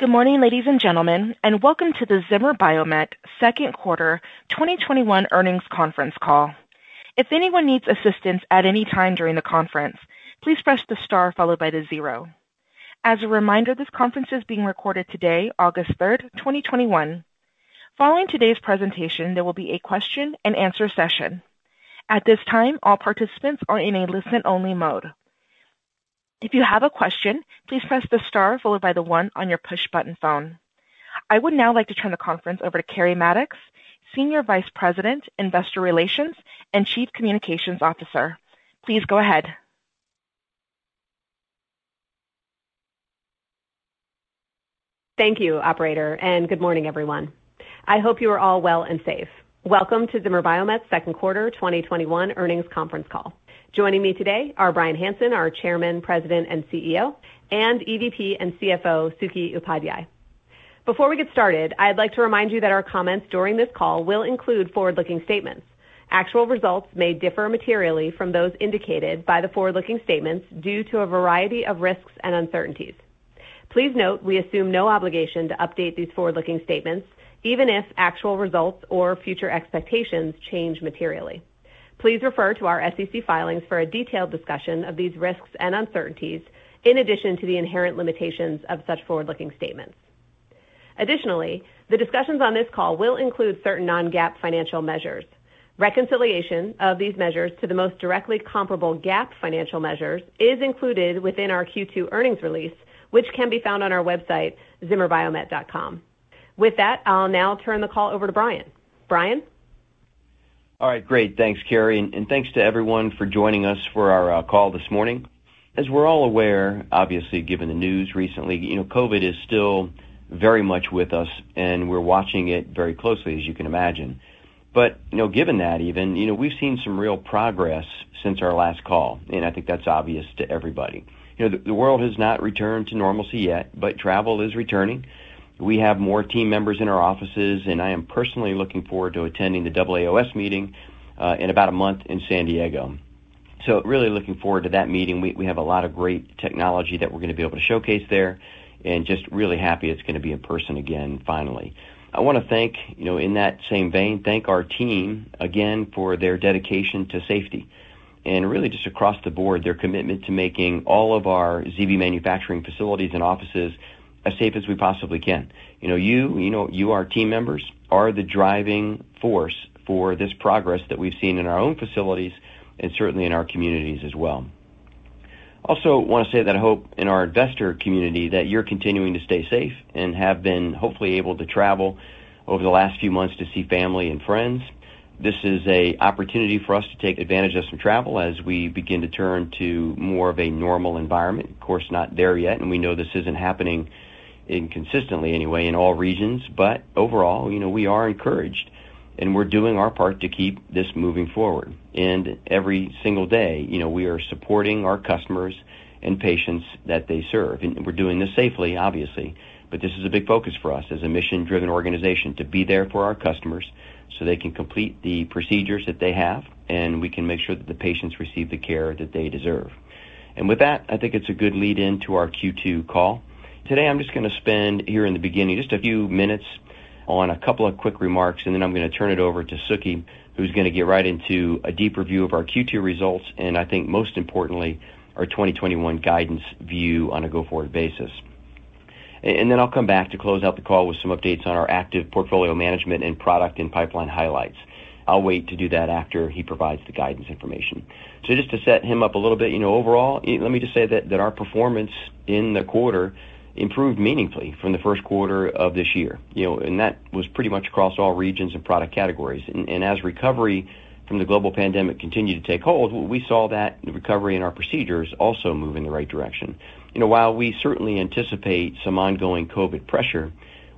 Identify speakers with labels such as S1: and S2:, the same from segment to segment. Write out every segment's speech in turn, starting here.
S1: Good morning, ladies and gentlemen, and welcome to the Zimmer Biomet second quarter 2021 earnings conference call. If anyone needs assistance at any time during the conference, please press the star followed by the zero. As a reminder, this conference is being recorded today, August 3rd, 2021. Following today's presentation, there will be a question and answer session. At this time, all participants are in a listen only mode. If you have a question, please press the star followed by the one on your push button phone. I would now like to turn the conference over to Keri Mattox, Senior Vice President, Investor Relations, and Chief Communications Officer. Please go ahead.
S2: Thank you, operator, and good morning, everyone. I hope you are all well and safe. Welcome to Zimmer Biomet's second quarter 2021 earnings conference call. Joining me today are Bryan Hanson, our Chairman, President, and CEO, and EVP and CFO, Suky Upadhyay. Before we get started, I'd like to remind you that our comments during this call will include forward-looking statements. Actual results may differ materially from those indicated by the forward-looking statements due to a variety of risks and uncertainties. Please note we assume no obligation to update these forward-looking statements, even if actual results or future expectations change materially. Please refer to our SEC filings for a detailed discussion of these risks and uncertainties, in addition to the inherent limitations of such forward-looking statements. Additionally, the discussions on this call will include certain non-GAAP financial measures. Reconciliation of these measures to the most directly comparable GAAP financial measures is included within our Q2 earnings release, which can be found on our website, zimmerbiomet.com. With that, I'll now turn the call over to Bryan. Bryan?
S3: All right, great. Thanks, Keri, and thanks to everyone for joining us for our call this morning. As we're all aware, obviously, given the news recently, COVID is still very much with us, and we're watching it very closely, as you can imagine. Given that even, we've seen some real progress since our last call, and I think that's obvious to everybody. The world has not returned to normalcy yet, but travel is returning. We have more team members in our offices, and I am personally looking forward to attending the AAOS Meeting, in about a month in San Diego. Really looking forward to that meeting. We have a lot of great technology that we're going to be able to showcase there and just really happy it's going to be in person again, finally. I want to, in that same vein, thank our team again for their dedication to safety and really just across the board, their commitment to making all of our ZB manufacturing facilities and offices as safe as we possibly can. You, our team members, are the driving force for this progress that we've seen in our own facilities and certainly in our communities as well. Also want to say that I hope in our investor community that you're continuing to stay safe and have been hopefully able to travel over the last few months to see family and friends. This is an opportunity for us to take advantage of some travel as we begin to turn to more of a normal environment. Of course, not there yet, and we know this isn't happening consistently anyway in all regions, but overall, we are encouraged, and we're doing our part to keep this moving forward. Every single day, we are supporting our customers and patients that they serve. We're doing this safely, obviously. This is a big focus for us as a mission-driven organization to be there for our customers so they can complete the procedures that they have, and we can make sure that the patients receive the care that they deserve. With that, I think it's a good lead into our Q2 call. Today, I'm just going to spend here in the beginning, just a few minutes on a couple of quick remarks, and then I'm going to turn it over to Suky, who's going to get right into a deeper view of our Q2 results, and I think most importantly, our 2021 guidance view on a go-forward basis. Then I'll come back to close out the call with some updates on our active portfolio management and product and pipeline highlights. I'll wait to do that after he provides the guidance information. Just to set him up a little bit, overall, let me just say that our performance in the quarter improved meaningfully from the first quarter of this year, and that was pretty much across all regions and product categories. As recovery from the global pandemic continued to take hold, we saw that recovery in our procedures also move in the right direction. While we certainly anticipate some ongoing COVID pressure,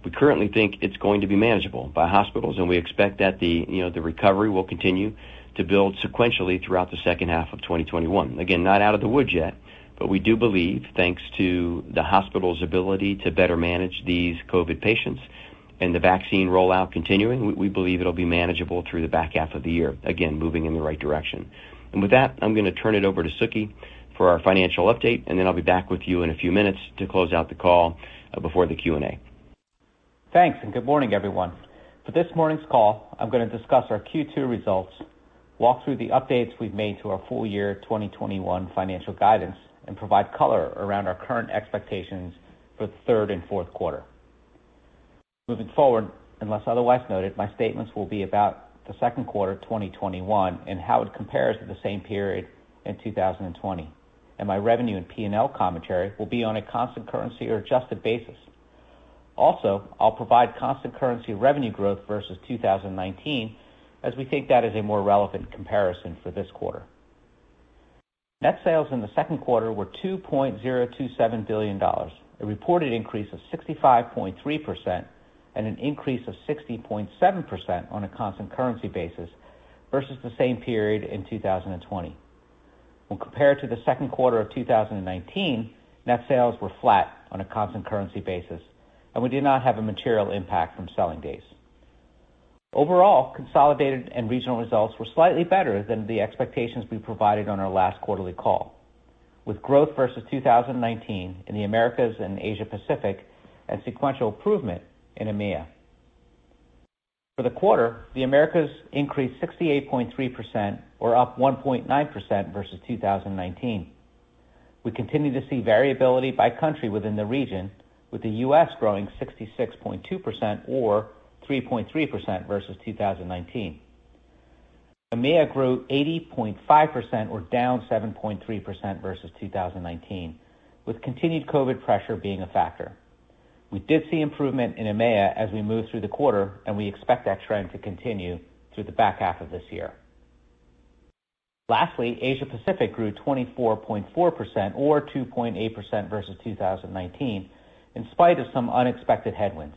S3: we currently think it's going to be manageable by hospitals, and we expect that the recovery will continue to build sequentially throughout the second half of 2021. Again, not out of the woods yet, but we do believe, thanks to the hospital's ability to better manage these COVID patients and the vaccine rollout continuing, we believe it'll be manageable through the back half of the year, again, moving in the right direction. With that, I'm going to turn it over to Suky for our financial update, and then I'll be back with you in a few minutes to close out the call before the Q&A.
S4: Thanks, good morning, everyone. For this morning's call, I'm going to discuss our Q2 results, walk through the updates we've made to our full year 2021 financial guidance, and provide color around our current expectations for the third and fourth quarter. Moving forward, unless otherwise noted, my statements will be about the second quarter 2021 and how it compares to the same period in 2020, and my revenue and P&L commentary will be on a constant currency or adjusted basis. I'll provide constant currency revenue growth versus 2019 as we think that is a more relevant comparison for this quarter. Net sales in the second quarter were $2.27 billion, a reported increase of 65.3% and an increase of 60.7% on a constant currency basis versus the same period in 2020. When compared to the second quarter of 2019, net sales were flat on a constant currency basis, and we did not have a material impact from selling days. Overall, consolidated and regional results were slightly better than the expectations we provided on our last quarterly call, with growth versus 2019 in the Americas and Asia-Pacific and sequential improvement in EMEA. For the quarter, the Americas increased 68.3%, or up 1.9% versus 2019. We continue to see variability by country within the region, with the U.S. growing 66.2%, or 3.3% versus 2019. EMEA grew 80.5%, or down 7.3% versus 2019, with continued COVID pressure being a factor. We did see improvement in EMEA as we moved through the quarter, and we expect that trend to continue through the back half of this year. Lastly, Asia-Pacific grew 24.4%, or 2.8% versus 2019, in spite of some unexpected headwinds.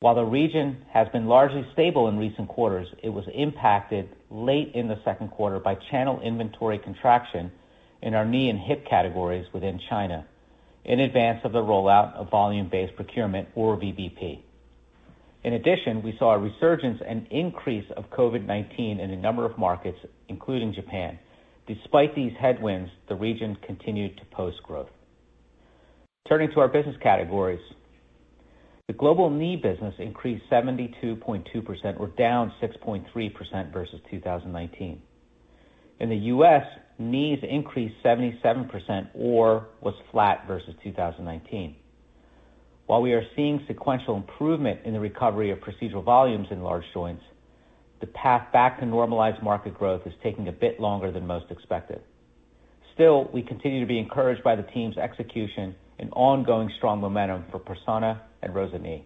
S4: While the region has been largely stable in recent quarters, it was impacted late in the second quarter by channel inventory contraction in our knee and hip categories within China in advance of the rollout of volume-based procurement, or VBP. In addition, we saw a resurgence and increase of COVID-19 in a number of markets, including Japan. Despite these headwinds, the region continued to post growth. Turning to our business categories. The global knee business increased 72.2%, or down 6.3% versus 2019. In the U.S., knees increased 77%, or was flat versus 2019. While we are seeing sequential improvement in the recovery of procedural volumes in large joints, the path back to normalized market growth is taking a bit longer than most expected. Still, we continue to be encouraged by the team's execution and ongoing strong momentum for Persona and ROSA Knee.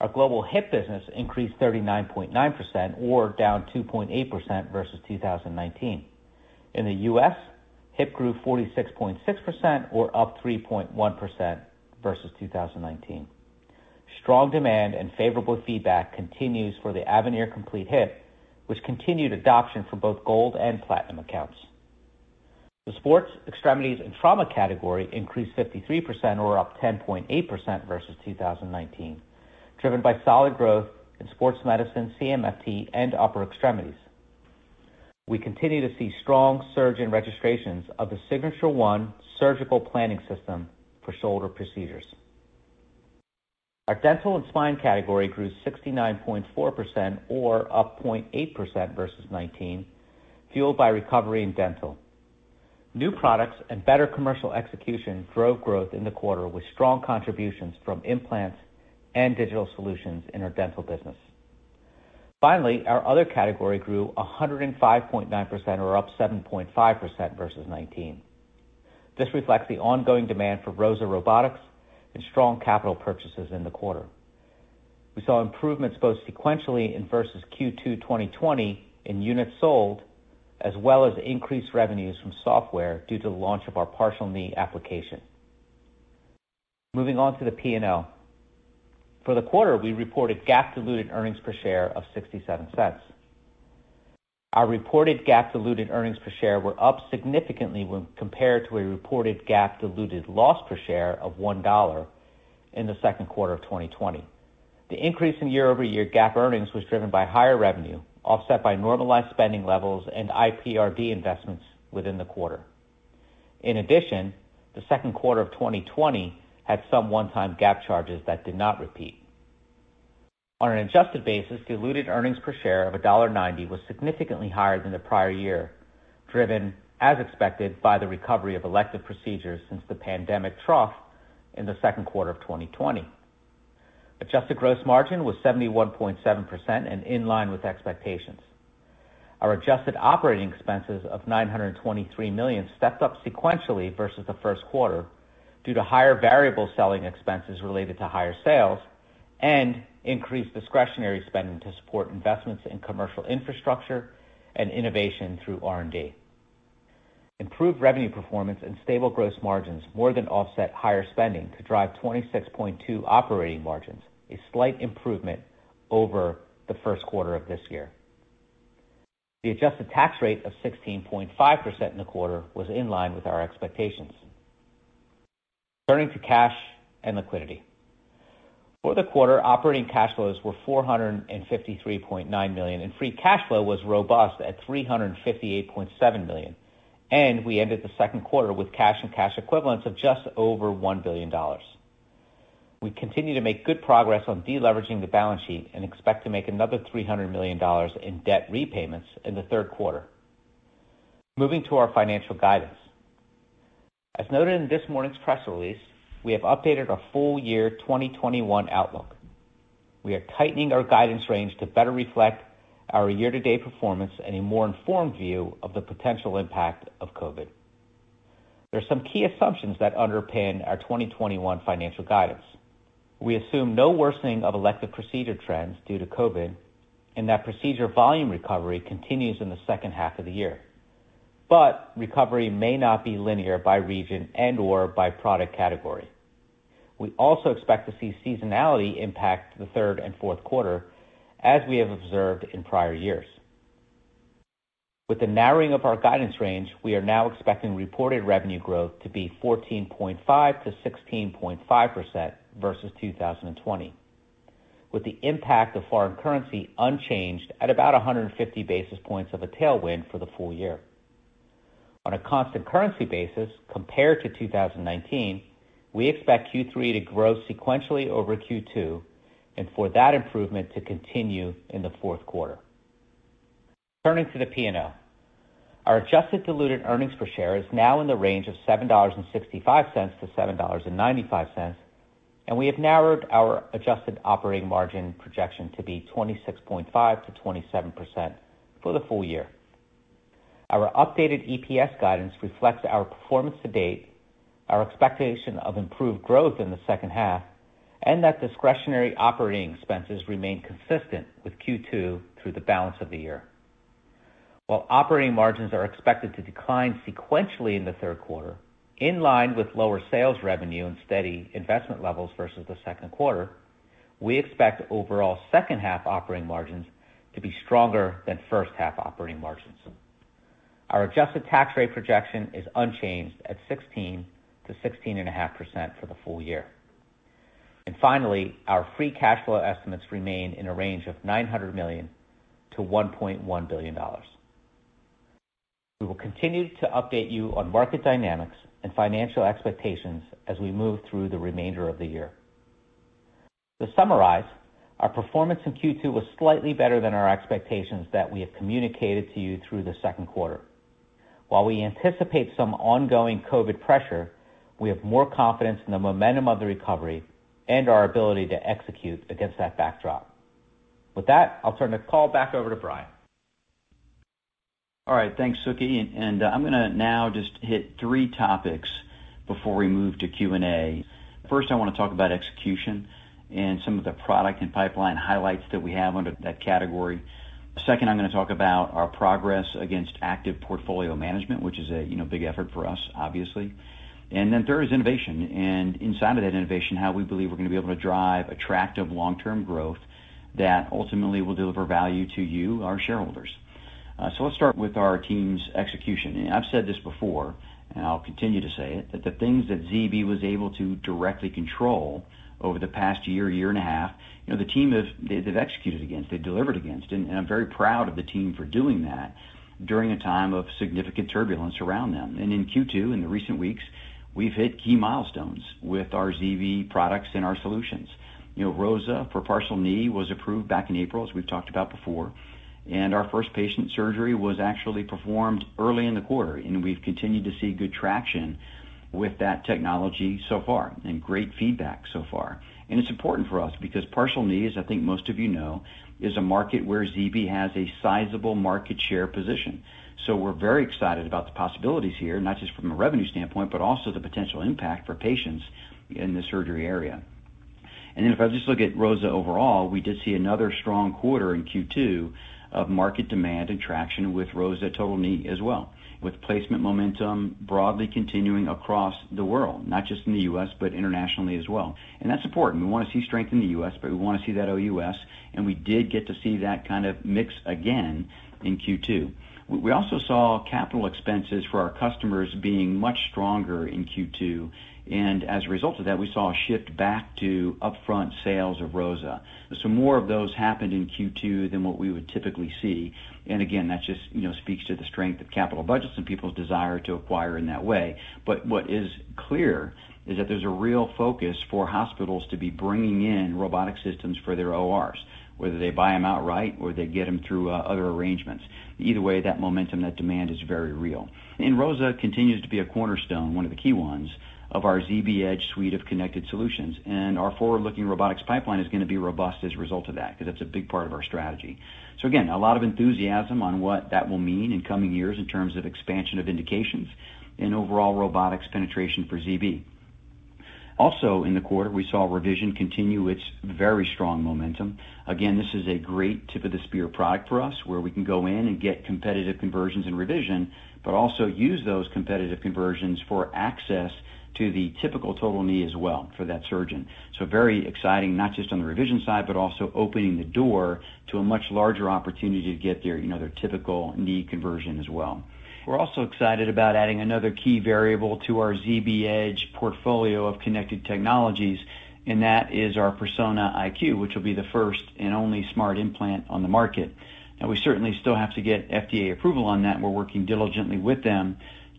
S4: Our global hip business increased 39.9%, or down 2.8% versus 2019. In the U.S., hip grew 46.6%, or up 3.1% versus 2019. Strong demand and favorable feedback continues for the Avenir Complete Hip, with continued adoption for both Gold and Platinum accounts. The sports extremities and trauma category increased 53%, or up 10.8% versus 2019, driven by solid growth in sports medicine, CMFT, and upper extremities. We continue to see strong surgeon registrations of the Signature ONE surgical planning system for shoulder procedures. Our dental and spine category grew 69.4%, or up 0.8% versus 2019, fueled by recovery in dental. New products and better commercial execution drove growth in the quarter, with strong contributions from implants and digital solutions in our dental business. Finally, our other category grew 105.9%, or up 7.5% versus 2019. This reflects the ongoing demand for ROSA Robotics and strong capital purchases in the quarter. We saw improvements both sequentially and versus Q2 2020 in units sold, as well as increased revenues from software due to the launch of our partial knee application. Moving on to the P&L. For the quarter, we reported GAAP diluted earnings per share of $0.67. Our reported GAAP diluted earnings per share were up significantly when compared to a reported GAAP diluted loss per share of $1 in the second quarter of 2020. The increase in year-over-year GAAP earnings was driven by higher revenue, offset by normalized spending levels and IPRD investments within the quarter. In addition, the second quarter of 2020 had some one-time GAAP charges that did not repeat. On an adjusted basis, diluted earnings per share of $1.90 was significantly higher than the prior year, driven, as expected, by the recovery of elective procedures since the pandemic trough in the second quarter of 2020. Adjusted gross margin was 71.7% and in line with expectations. Our adjusted operating expenses of $923 million stepped up sequentially versus the first quarter due to higher variable selling expenses related to higher sales and increased discretionary spending to support investments in commercial infrastructure and innovation through R&D. Improved revenue performance and stable gross margins more than offset higher spending to drive 26.2% operating margins, a slight improvement over the first quarter of this year. The adjusted tax rate of 16.5% in the quarter was in line with our expectations. Turning to cash and liquidity. For the quarter, operating cash flows were $453.9 million, and free cash flow was robust at $358.7 million. We ended the second quarter with cash and cash equivalents of just over $1 billion. We continue to make good progress on deleveraging the balance sheet and expect to make another $300 million in debt repayments in the third quarter. Moving to our financial guidance. As noted in this morning's press release, we have updated our full year 2021 outlook. We are tightening our guidance range to better reflect our year-to-date performance and a more informed view of the potential impact of COVID. There are some key assumptions that underpin our 2021 financial guidance. We assume no worsening of elective procedure trends due to COVID and that procedure volume recovery continues in the second half of the year. Recovery may not be linear by region and/or by product category. We also expect to see seasonality impact the third and fourth quarter, as we have observed in prior years. With the narrowing of our guidance range, we are now expecting reported revenue growth to be 14.5%-16.5% versus 2020, with the impact of foreign currency unchanged at about 150 basis points of a tailwind for the full year. On a constant currency basis, compared to 2019, we expect Q3 to grow sequentially over Q2 and for that improvement to continue in the fourth quarter. Turning to the P&L. Our adjusted diluted earnings per share is now in the range of $7.65-$7.95, and we have narrowed our adjusted operating margin projection to be 26.5%-27% for the full year. Our updated EPS guidance reflects our performance to date, our expectation of improved growth in the second half, and that discretionary operating expenses remain consistent with Q2 through the balance of the year. While operating margins are expected to decline sequentially in the third quarter, in line with lower sales revenue and steady investment levels versus the second quarter, we expect overall second half operating margins to be stronger than first half operating margins. Our adjusted tax rate projection is unchanged at 16%-16.5% for the full year. Finally, our free cash flow estimates remain in a range of $900 million-$1.1 billion. We will continue to update you on market dynamics and financial expectations as we move through the remainder of the year. To summarize, our performance in Q2 was slightly better than our expectations that we have communicated to you through the second quarter. While we anticipate some ongoing COVID pressure, we have more confidence in the momentum of the recovery and our ability to execute against that backdrop. With that, I'll turn the call back over to Bryan.
S3: All right. Thanks, Suky. I'm going to now just hit three topics before we move to Q&A. First, I want to talk about execution and some of the product and pipeline highlights that we have under that category. Second, I'm going to talk about our progress against active portfolio management, which is a big effort for us, obviously. Then third is innovation. Inside of that innovation, how we believe we're going to be able to drive attractive long-term growth that ultimately will deliver value to you, our shareholders. Let's start with our team's execution. I've said this before, and I'll continue to say it, that the things that ZB was able to directly control over the past year and a half, the team, they've executed against, they've delivered against, I'm very proud of the team for doing that during a time of significant turbulence around them. In Q2, in the recent weeks, we've hit key milestones with our ZB products and our solutions. ROSA for partial knee was approved back in April, as we've talked about before. Our first patient surgery was actually performed early in the quarter, we've continued to see good traction with that technology so far and great feedback so far. It's important for us because partial knees, I think most of you know, is a market where ZB has a sizable market share position. We're very excited about the possibilities here, not just from a revenue standpoint, but also the potential impact for patients in the surgery area. If I just look at ROSA overall, we did see another strong quarter in Q2 of market demand and traction with ROSA total knee as well, with placement momentum broadly continuing across the world, not just in the U.S., but internationally as well. That's important. We want to see strength in the U.S., but we want to see that OUS, and we did get to see that kind of mix again in Q2. We also saw capital expenses for our customers being much stronger in Q2, and as a result of that, we saw a shift back to upfront sales of ROSA. More of those happened in Q2 than what we would typically see. Again, that just speaks to the strength of capital budgets and people's desire to acquire in that way. What is clear is that there's a real focus for hospitals to be bringing in robotic systems for their ORs, whether they buy them outright or they get them through other arrangements. Either way, that momentum, that demand is very real. ROSA continues to be a cornerstone, one of the key ones of our ZBEdge suite of connected solutions. Our forward-looking robotics pipeline is going to be robust as a result of that because that's a big part of our strategy. Again, a lot of enthusiasm on what that will mean in coming years in terms of expansion of indications and overall robotics penetration for ZB. Also in the quarter, we saw revision continue its very strong momentum. This is a great tip-of-the-spear product for us where we can go in and get competitive conversions and revision, but also use those competitive conversions for access to the typical total knee as well for that surgeon. Very exciting, not just on the revision side, but also opening the door to a much larger opportunity to get their typical knee conversion as well. We're also excited about adding another key variable to our ZBEdge portfolio of connected technologies, and that is our Persona IQ, which will be the first and only smart implant on the market. We certainly still have to get FDA approval on that. We're working diligently with them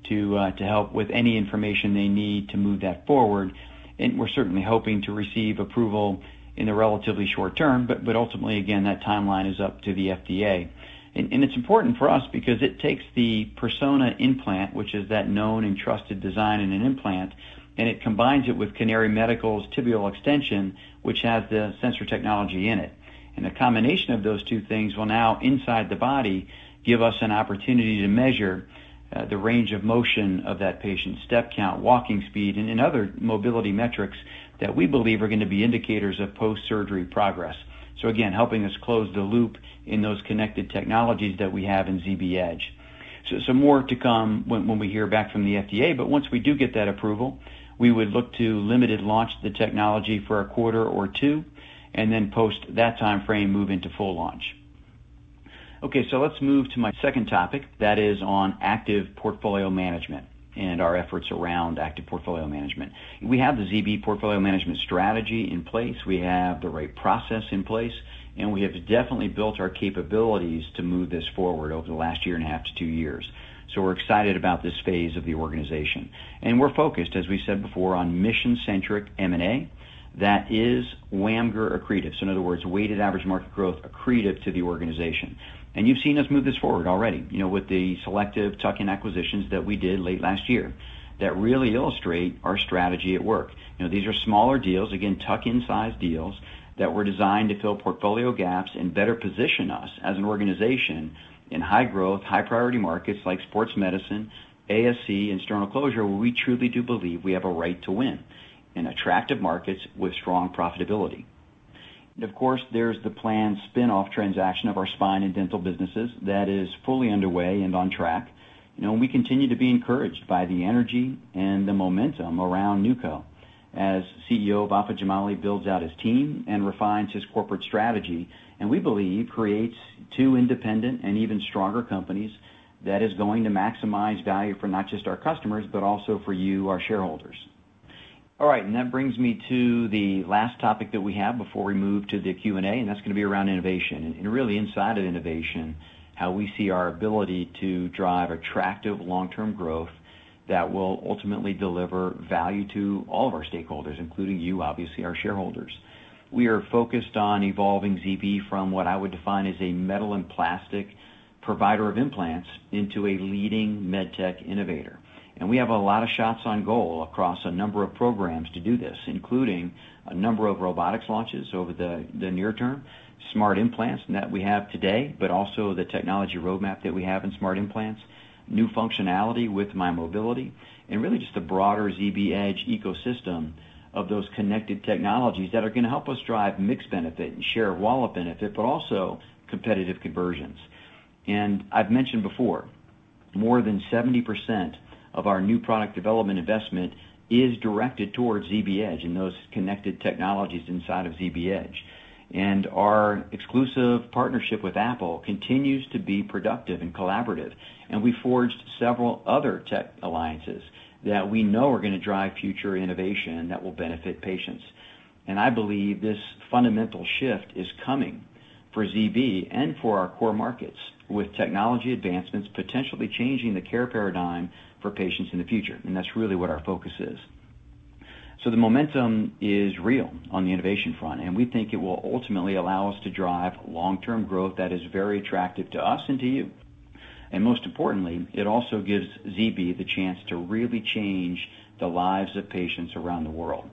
S3: to help with any information they need to move that forward. We're certainly hoping to receive approval in the relatively short term. Ultimately, again, that timeline is up to the FDA. It's important for us because it takes the Persona implant, which is that known and trusted design in an implant, and it combines it with Canary Medical's tibial extension, which has the sensor technology in it. The combination of those two things will now inside the body, give us an opportunity to measure the range of motion of that patient, step count, walking speed, and other mobility metrics that we believe are going to be indicators of post-surgery progress. Again, helping us close the loop in those connected technologies that we have in ZBEdge. More to come when we hear back from the FDA. Once we do get that approval, we would look to limited launch the technology for a quarter or two, and then post that timeframe move into full launch. Okay, let's move to my second topic, that is on active portfolio management and our efforts around active portfolio management. We have the ZB portfolio management strategy in place. We have the right process in place, and we have definitely built our capabilities to move this forward over the last 1.5 -2 years. We're excited about this phase of the organization, and we're focused, as we said before, on mission-centric M&A. That is WAMGR accretive. In other words, weighted average market growth accretive to the organization. You've seen us move this forward already with the selective tuck-in acquisitions that we did late last year that really illustrate our strategy at work. These are smaller deals, again, tuck-in size deals that were designed to fill portfolio gaps and better position us as an organization in high growth, high priority markets like sports medicine, ASC, and sternal closure, where we truly do believe we have a right to win in attractive markets with strong profitability. Of course, there's the planned spin-off transaction of our spine and dental businesses that is fully underway and on track. We continue to be encouraged by the energy and the momentum around NewCo as CEO Vafa Jamali builds out his team and refines his corporate strategy, and we believe creates two independent and even stronger companies that is going to maximize value for not just our customers, but also for you, our shareholders. All right, that brings me to the last topic that we have before we move to the Q&A, and that's going to be around innovation. Really inside of innovation, how we see our ability to drive attractive long-term growth that will ultimately deliver value to all of our stakeholders, including you, obviously, our shareholders. We are focused on evolving ZB from what I would define as a metal and plastic provider of implants into a leading med tech innovator. We have a lot of shots on goal across a number of programs to do this, including a number of robotics launches over the near term, smart implants that we have today, but also the technology roadmap that we have in smart implants, new functionality with mymobility, and really just the broader ZBEdge ecosystem of those connected technologies that are going to help us drive mix benefit and share of wallet benefit, but also competitive conversions. I've mentioned before, more than 70% of our new product development investment is directed towards ZBEdge and those connected technologies inside of ZBEdge. Our exclusive partnership with Apple continues to be productive and collaborative. We forged several other tech alliances that we know are going to drive future innovation that will benefit patients. I believe this fundamental shift is coming for ZB and for our core markets, with technology advancements potentially changing the care paradigm for patients in the future. That's really what our focus is. The momentum is real on the innovation front, and we think it will ultimately allow us to drive long-term growth that is very attractive to us and to you. Most importantly, it also gives ZB the chance to really change the lives of patients around the world.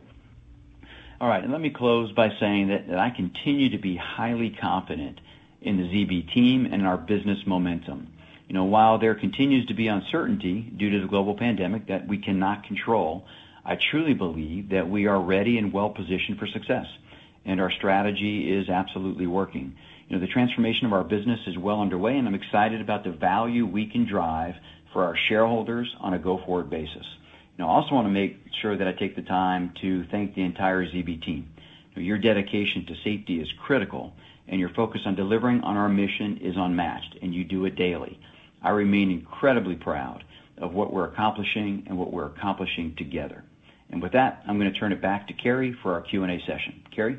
S3: All right. Let me close by saying that I continue to be highly confident in the ZB team and our business momentum. While there continues to be uncertainty due to the global pandemic that we cannot control, I truly believe that we are ready and well-positioned for success, and our strategy is absolutely working. The transformation of our business is well underway, and I'm excited about the value we can drive for our shareholders on a go-forward basis. I also want to make sure that I take the time to thank the entire ZB team. Your dedication to safety is critical, and your focus on delivering on our mission is unmatched, and you do it daily. I remain incredibly proud of what we're accomplishing and what we're accomplishing together. With that, I'm going to turn it back to Keri for our Q&A session. Keri?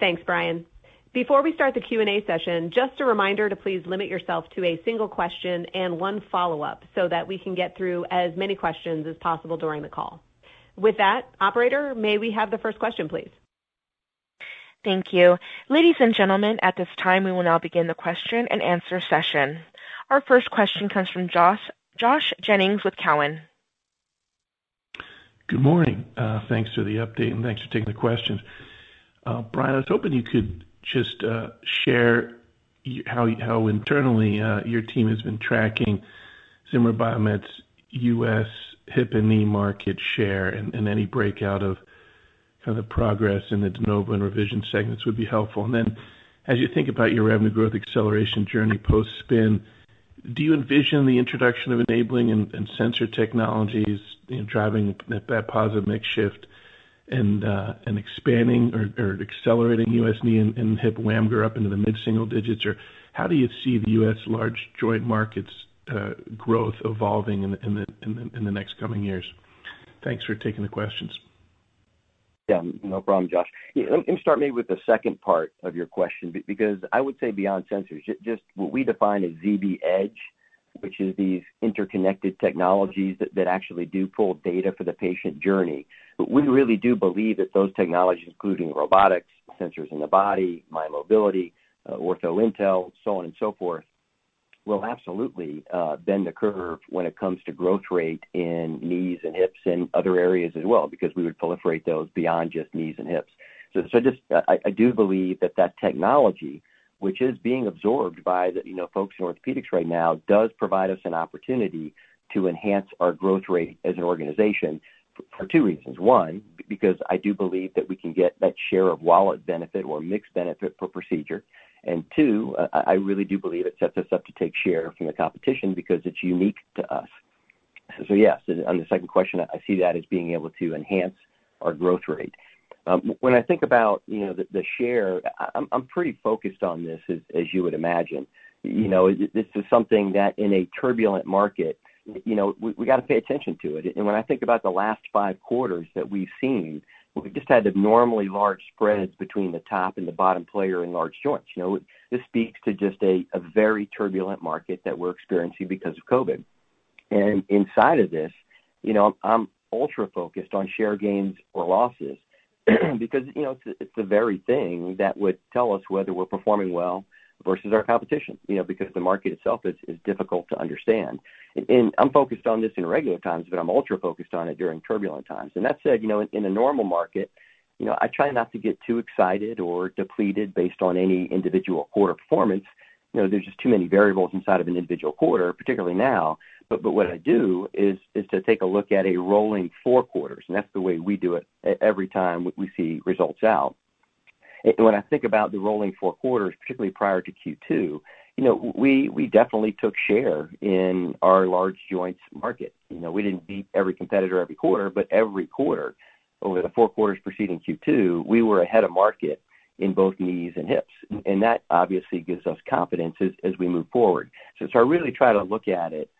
S2: Thanks, Bryan. Before we start the Q&A session, just a reminder to please limit yourself to a single question and one follow-up so that we can get through as many questions as possible during the call. With that, operator, may we have the first question, please?
S1: Thank you. Ladies and gentlemen, at this time, we will now begin the question and answer session. Our first question comes from Josh Jennings with Cowen.
S5: Good morning. Thanks for the update, and thanks for taking the questions. Bryan, I was hoping you could just share how internally your team has been tracking Zimmer Biomet's U.S. hip and knee market share, and any breakout of the progress in the de novo and revision segments would be helpful. As you think about your revenue growth acceleration journey post-spin, do you envision the introduction of enabling and sensor technologies driving that positive mix shift and expanding or accelerating U.S. knee and hip WAMGR up into the mid-single digits? How do you see the U.S. large joint markets growth evolving in the next coming years? Thanks for taking the questions.
S3: Yeah, no problem, Josh. Let me start maybe with the second part of your question, beyond sensors, just what we define as ZBEdge, which is these interconnected technologies that actually do pull data for the patient journey. We really do believe that those technologies, including robotics, sensors in the body, mymobility, OrthoIntel, so on and so forth, will absolutely bend the curve when it comes to growth rate in knees and hips and other areas as well, because we would proliferate those beyond just knees and hips. I do believe that that technology, which is being absorbed by folks in orthopedics right now, does provide us an opportunity to enhance our growth rate as an organization for two reasons. One, because I do believe that we can get that share of wallet benefit or mix benefit per procedure. Two, I really do believe it sets us up to take share from the competition because it's unique to us. Yes, on the second question, I see that as being able to enhance our growth rate. When I think about the share, I'm pretty focused on this, as you would imagine. This is something that in a turbulent market, we got to pay attention to it. When I think about the last five quarters that we've seen, we've just had abnormally large spreads between the top and the bottom player in large joints. This speaks to just a very turbulent market that we're experiencing because of COVID. Inside of this, I'm ultra focused on share gains or losses because it's the very thing that would tell us whether we're performing well versus our competition because the market itself is difficult to understand. I'm focused on this in regular times, but I'm ultra focused on it during turbulent times. That said, in a normal market, I try not to get too excited or depleted based on any individual quarter performance. There's just too many variables inside of an individual quarter, particularly now. What I do is to take a look at a rolling four quarters, and that's the way we do it every time we see results out. When I think about the rolling four quarters, particularly prior to Q2, we definitely took share in our large joints market. We didn't beat every competitor every quarter, but every quarter over the four quarters preceding Q2, we were ahead of market in both knees and hips. That obviously gives us confidence as we move forward. I really try to look at it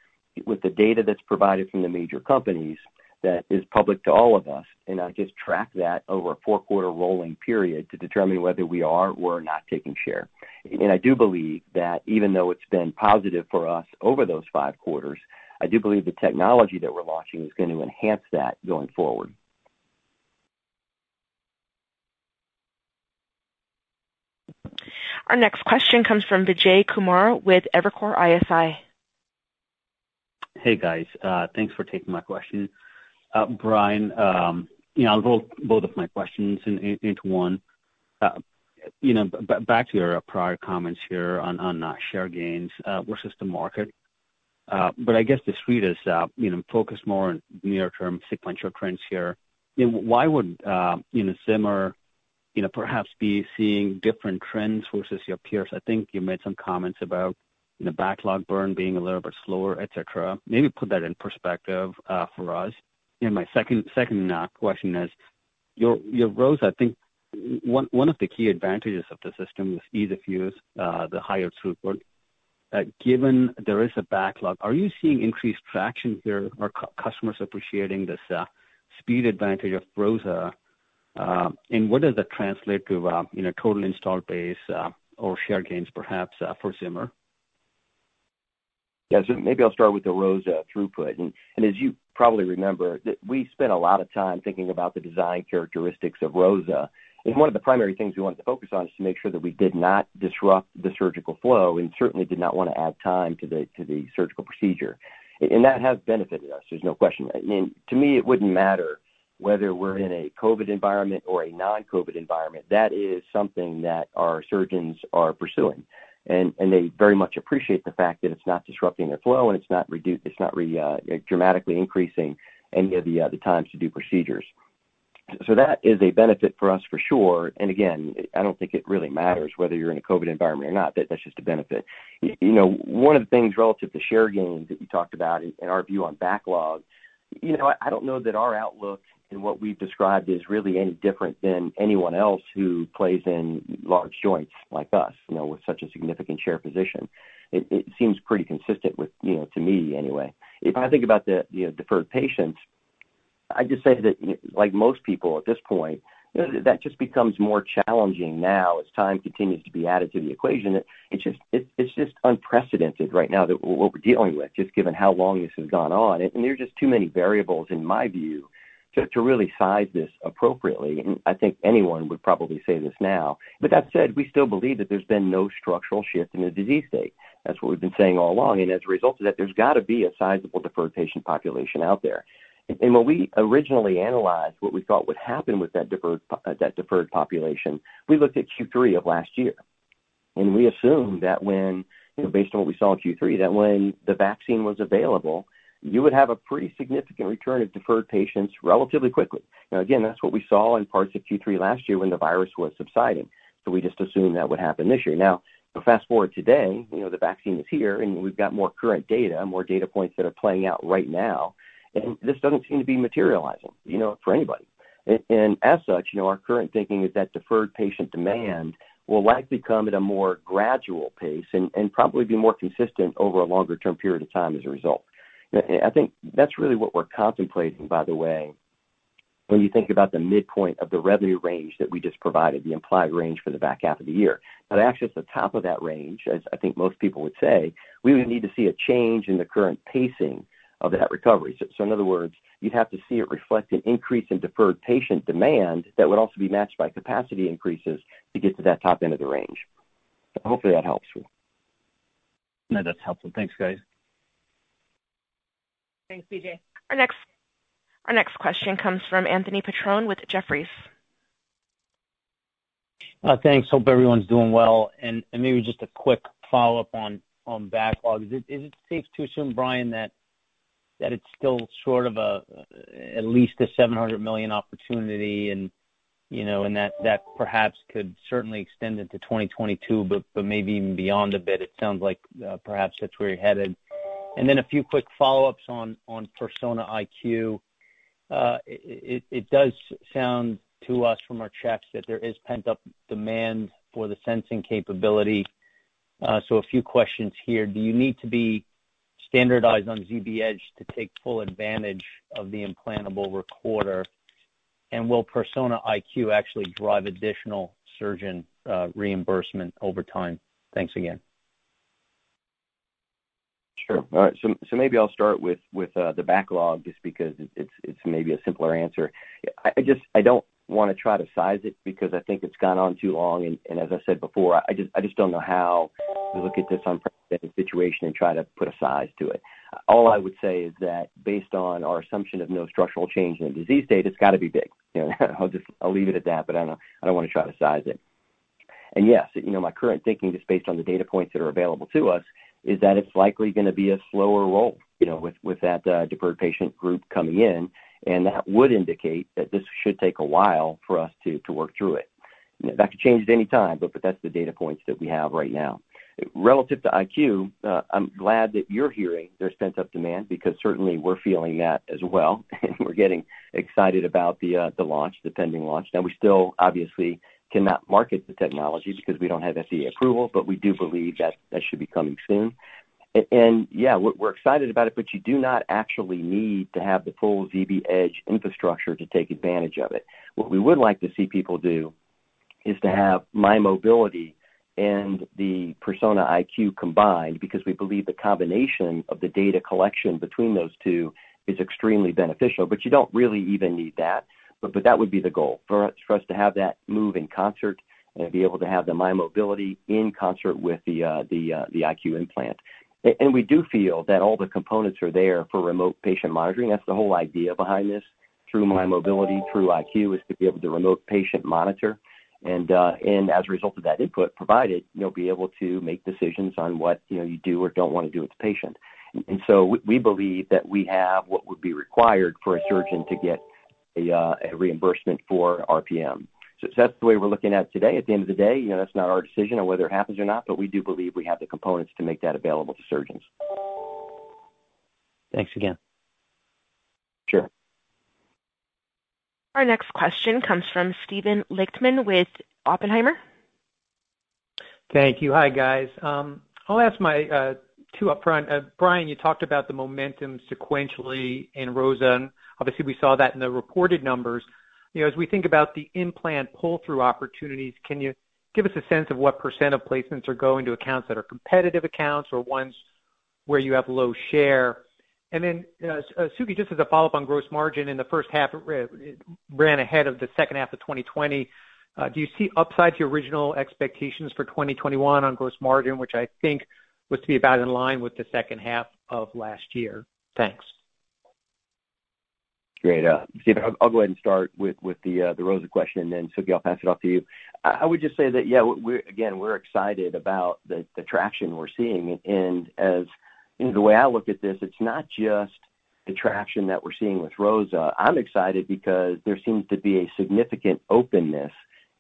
S3: with the data that's provided from the major companies that is public to all of us, and I just track that over a four-quarter rolling period to determine whether we are or not taking share. I do believe that even though it's been positive for us over those five quarters, I do believe the technology that we're launching is going to enhance that going forward.
S1: Our next question comes from Vijay Kumar with Evercore ISI.
S6: Hey, guys. Thanks for taking my question. Bryan, I'll roll both of my questions into one. Back to your prior comments here on share gains versus the market. I guess The Street is focused more on near-term sequential trends here. Why would Zimmer perhaps be seeing different trends versus your peers? I think you made some comments about the backlog burn being a little bit slower, et cetera. Maybe put that in perspective for us. My second question is, your ROSA, I think one of the key advantages of the system is ease of use, the higher throughput. Given there is a backlog, are you seeing increased traction here? Are customers appreciating this speed advantage of ROSA? What does that translate to in a total installed base or share gains perhaps for Zimmer?
S3: Maybe I'll start with the ROSA throughput. As you probably remember, we spent a lot of time thinking about the design characteristics of ROSA. One of the primary things we wanted to focus on is to make sure that we did not disrupt the surgical flow and certainly did not want to add time to the surgical procedure. That has benefited us, there's no question. To me, it wouldn't matter whether we're in a COVID environment or a non-COVID environment. That is something that our surgeons are pursuing, and they very much appreciate the fact that it's not disrupting their flow and it's not dramatically increasing any of the times to do procedures. That is a benefit for us for sure. Again, I don't think it really matters whether you're in a COVID environment or not. That's just a benefit. One of the things relative to share gains that you talked about and our view on backlog, I don't know that our outlook and what we've described is really any different than anyone else who plays in large joints like us with such a significant share position. It seems pretty consistent to me, anyway. If I think about the deferred patients, I just say that, like most people at this point, that just becomes more challenging now as time continues to be added to the equation. It's just unprecedented right now, what we're dealing with, just given how long this has gone on. There are just too many variables, in my view, to really size this appropriately. I think anyone would probably say this now. With that said, we still believe that there's been no structural shift in the disease state. That's what we've been saying all along. As a result of that, there's got to be a sizable deferred patient population out there. When we originally analyzed what we thought would happen with that deferred population, we looked at Q3 of last year. We assumed that when, based on what we saw in Q3, that when the vaccine was available, you would have a pretty significant return of deferred patients relatively quickly. Again, that's what we saw in parts of Q3 last year when the virus was subsiding. We just assumed that would happen this year. Fast-forward today, the vaccine is here and we've got more current data, more data points that are playing out right now, and this doesn't seem to be materializing for anybody. As such, our current thinking is that deferred patient demand will likely come at a more gradual pace and probably be more consistent over a longer-term period of time as a result. I think that's really what we're contemplating, by the way, when you think about the midpoint of the revenue range that we just provided, the implied range for the back half of the year. Actually, at the top of that range, as I think most people would say, we would need to see a change in the current pacing of that recovery. In other words, you'd have to see it reflect an increase in deferred patient demand that would also be matched by capacity increases to get to that top end of the range. Hopefully, that helps.
S6: No, that's helpful. Thanks, guys.
S2: Thanks, Vijay.
S1: Our next question comes from Anthony Petrone with Jefferies.
S7: Thanks. Hope everyone's doing well. Maybe just a quick follow-up on backlog. Is it safe to assume, Bryan, that it's still sort of at least a $700 million opportunity and that perhaps could certainly extend into 2022, but maybe even beyond a bit. It sounds like perhaps that's where you're headed. A few quick follow-ups on Persona IQ. It does sound to us from our checks that there is pent-up demand for the sensing capability. A few questions here. Do you need to be standardized on ZBEdge to take full advantage of the implantable recorder? Will Persona IQ actually drive additional surgeon reimbursement over time? Thanks again.
S3: Sure. All right. Maybe I'll start with the backlog, just because it's maybe a simpler answer. I don't want to try to size it because I think it's gone on too long, and as I said before, I just don't know how to look at this unprecedented situation and try to put a size to it. All I would say is that based on our assumption of no structural change in the disease state, it's got to be big. I'll leave it at that, but I don't want to try to size it. Yes, my current thinking, just based on the data points that are available to us, is that it's likely going to be a slower roll with that deferred patient group coming in, and that would indicate that this should take a while for us to work through it. That could change at any time, but that's the data points that we have right now. Relative to IQ, I'm glad that you're hearing there's pent-up demand, because certainly we're feeling that as well, and we're getting excited about the pending launch. Now we still obviously cannot market the technology because we don't have FDA approval, but we do believe that should be coming soon. Yeah, we're excited about it, but you do not actually need to have the full ZBEdge infrastructure to take advantage of it. What we would like to see people do is to have mymobility and the Persona IQ combined, because we believe the combination of the data collection between those two is extremely beneficial, but you don't really even need that. That would be the goal, for us to have that move in concert and be able to have the mymobility in concert with the IQ implant. We do feel that all the components are there for remote patient monitoring. That's the whole idea behind this, through mymobility, through IQ, is to be able to remote patient monitor and, as a result of that input provided, be able to make decisions on what you do or don't want to do with the patient. We believe that we have what would be required for a surgeon to get a reimbursement for RPM. That's the way we're looking at it today. At the end of the day, that's not our decision on whether it happens or not, but we do believe we have the components to make that available to surgeons.
S7: Thanks again.
S3: Sure.
S1: Our next question comes from Steven Lichtman with Oppenheimer.
S8: Thank you. Hi, guys. I'll ask my two upfront. Bryan, you talked about the momentum sequentially in ROSA. Obviously, we saw that in the reported numbers. As we think about the implant pull-through opportunities, can you give us a sense of what percentage of placements are going to accounts that are competitive accounts or ones where you have low share? Suky, just as a follow-up on gross margin in the first half, it ran ahead of the second half of 2020. Do you see upside to your original expectations for 2021 on gross margin, which I think was to be about in line with the second half of last year? Thanks.
S3: Great. Steven, I'll go ahead and start with the ROSA question, then Suky, I'll pass it off to you. I would just say that, yeah, again, we're excited about the traction we're seeing. The way I look at this, it's not just the traction that we're seeing with ROSA. I'm excited because there seems to be a significant openness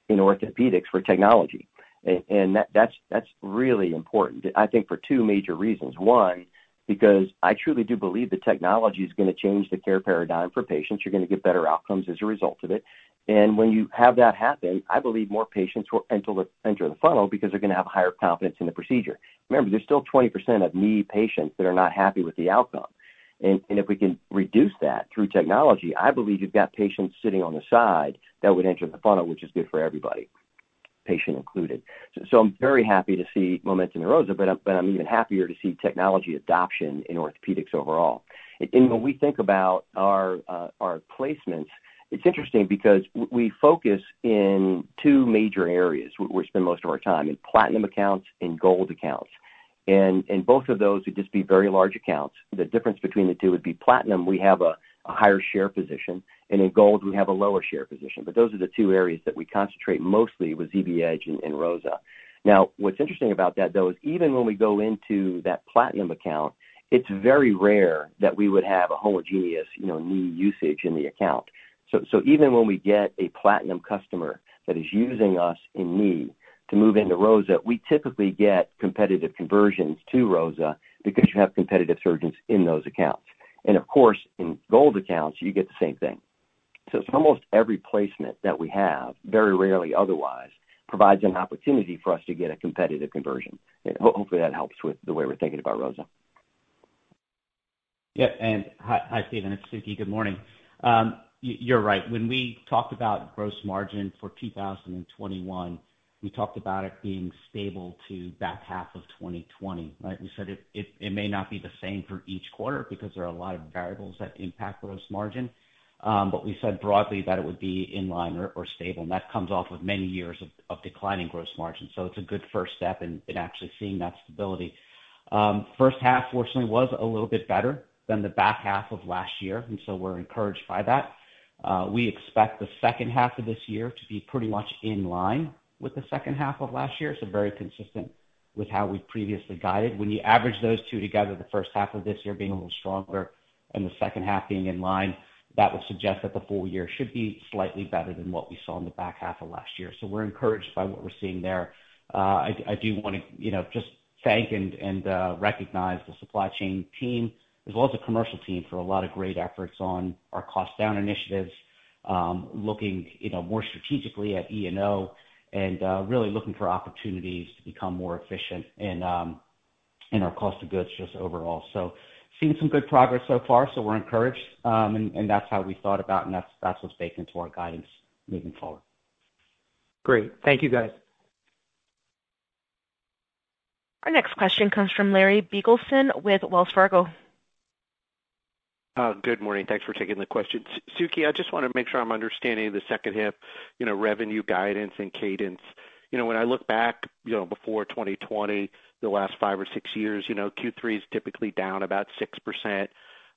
S3: in orthopedics for technology. That's really important, I think, for two major reasons. One, because I truly do believe the technology's going to change the care paradigm for patients. You're going to get better outcomes as a result of it. When you have that happen, I believe more patients will enter the funnel because they're going to have higher confidence in the procedure. Remember, there's still 20% of knee patients that are not happy with the outcome. If we can reduce that through technology, I believe you've got patients sitting on the side that would enter the funnel, which is good for everybody, patient included. I'm very happy to see momentum in ROSA, but I'm even happier to see technology adoption in orthopedics overall. When we think about our placements, it's interesting because we focus in two major areas. We spend most of our time in platinum accounts and gold accounts. Both of those would just be very large accounts. The difference between the two would be platinum, we have a higher share position, and in gold, we have a lower share position. Those are the two areas that we concentrate mostly with ZBEdge and ROSA. What's interesting about that, though, is even when we go into that platinum account, it's very rare that we would have a homogeneous knee usage in the account. Even when we get a platinum customer that is using us in knee to move into ROSA, we typically get competitive conversions to ROSA because you have competitive surgeons in those accounts. Of course, in gold accounts, you get the same thing. It's almost every placement that we have, very rarely otherwise, provides an opportunity for us to get a competitive conversion. Hopefully, that helps with the way we're thinking about ROSA.
S4: Yeah. Hi, Steven. It's Suky. Good morning. You're right. When we talked about gross margin for 2021, we talked about it being stable to back half of 2020, right? We said it may not be the same for each quarter because there are a lot of variables that impact gross margin. We said broadly that it would be in line or stable, and that comes off of many years of declining gross margin. It's a good first step in actually seeing that stability. First half, fortunately, was a little bit better than the back half of last year, we're encouraged by that. We expect the second half of this year to be pretty much in line with the second half of last year, very consistent with how we previously guided. When you average those two together, the first half of this year being a little stronger and the second half being in line, that would suggest that the full year should be slightly better than what we saw in the back half of last year. We're encouraged by what we're seeing there. I do want to just thank and recognize the supply chain team as well as the commercial team for a lot of great efforts on our cost down initiatives, looking more strategically at E&O and really looking for opportunities to become more efficient in our cost of goods just overall. Seeing some good progress so far. We're encouraged, and that's how we thought about and that's what's baked into our guidance moving forward.
S8: Great. Thank you, guys.
S1: Our next question comes from Larry Biegelsen with Wells Fargo.
S9: Good morning. Thanks for taking the question. Suky, I just want to make sure I'm understanding the second half revenue guidance and cadence. When I look back before 2020, the last five or six years, Q3 is typically down about 6%,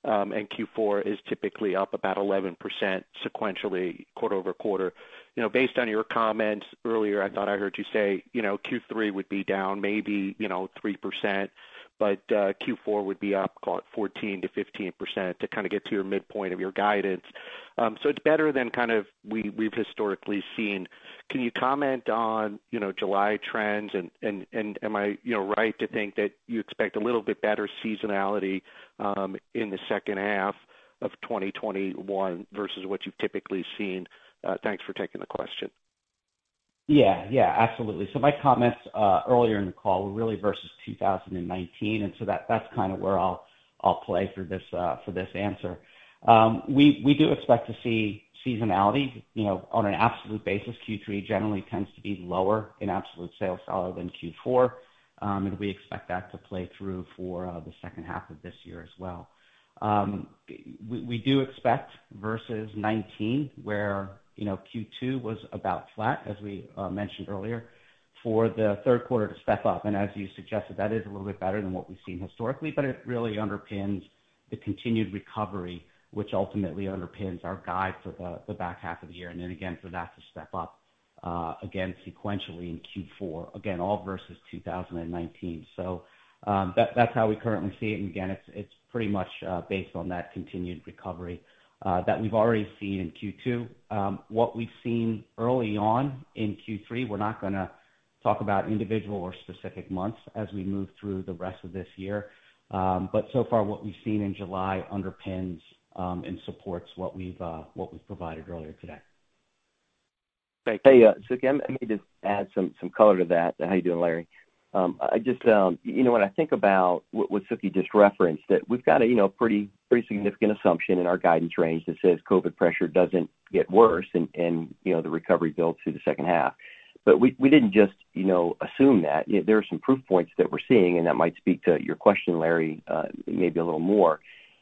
S9: and Q4 is typically up about 11% sequentially quarter-over-quarter. Based on your comments earlier, I thought I heard you say Q3 would be down maybe 3%, but Q4 would be up, call it 14%-15% to kind of get to your midpoint of your guidance. It's better than kind of we've historically seen. Can you comment on July trends and am I right to think that you expect a little bit better seasonality in the second half of 2021 versus what you've typically seen? Thanks for taking the question.
S4: Yeah, absolutely. My comments earlier in the call were really versus 2019, that's kind of where I'll play for this answer. We do expect to see seasonality. On an absolute basis, Q3 generally tends to be lower in absolute sales dollar than Q4, we expect that to play through for the second half of this year as well. We do expect versus 2019, where Q2 was about flat, as we mentioned earlier, for the third quarter to step up. As you suggested, that is a little bit better than what we've seen historically, but it really underpins the continued recovery, which ultimately underpins our guide for the back half of the year. Again, for that to step up again sequentially in Q4, again, all versus 2019. That's how we currently see it. Again, it's pretty much based on that continued recovery that we've already seen in Q2. What we've seen early on in Q3, we're not going to talk about individual or specific months as we move through the rest of this year. So far what we've seen in July underpins and supports what we've provided earlier today.
S3: Hey, Suky, let me just add some color to that. How you doing, Larry? When I think about what Suky just referenced, that we've got a pretty significant assumption in our guidance range that says COVID pressure doesn't get worse and the recovery builds through the second half. We didn't just assume that. There are some proof points that we're seeing, and that might speak to your question, Larry, maybe a little more.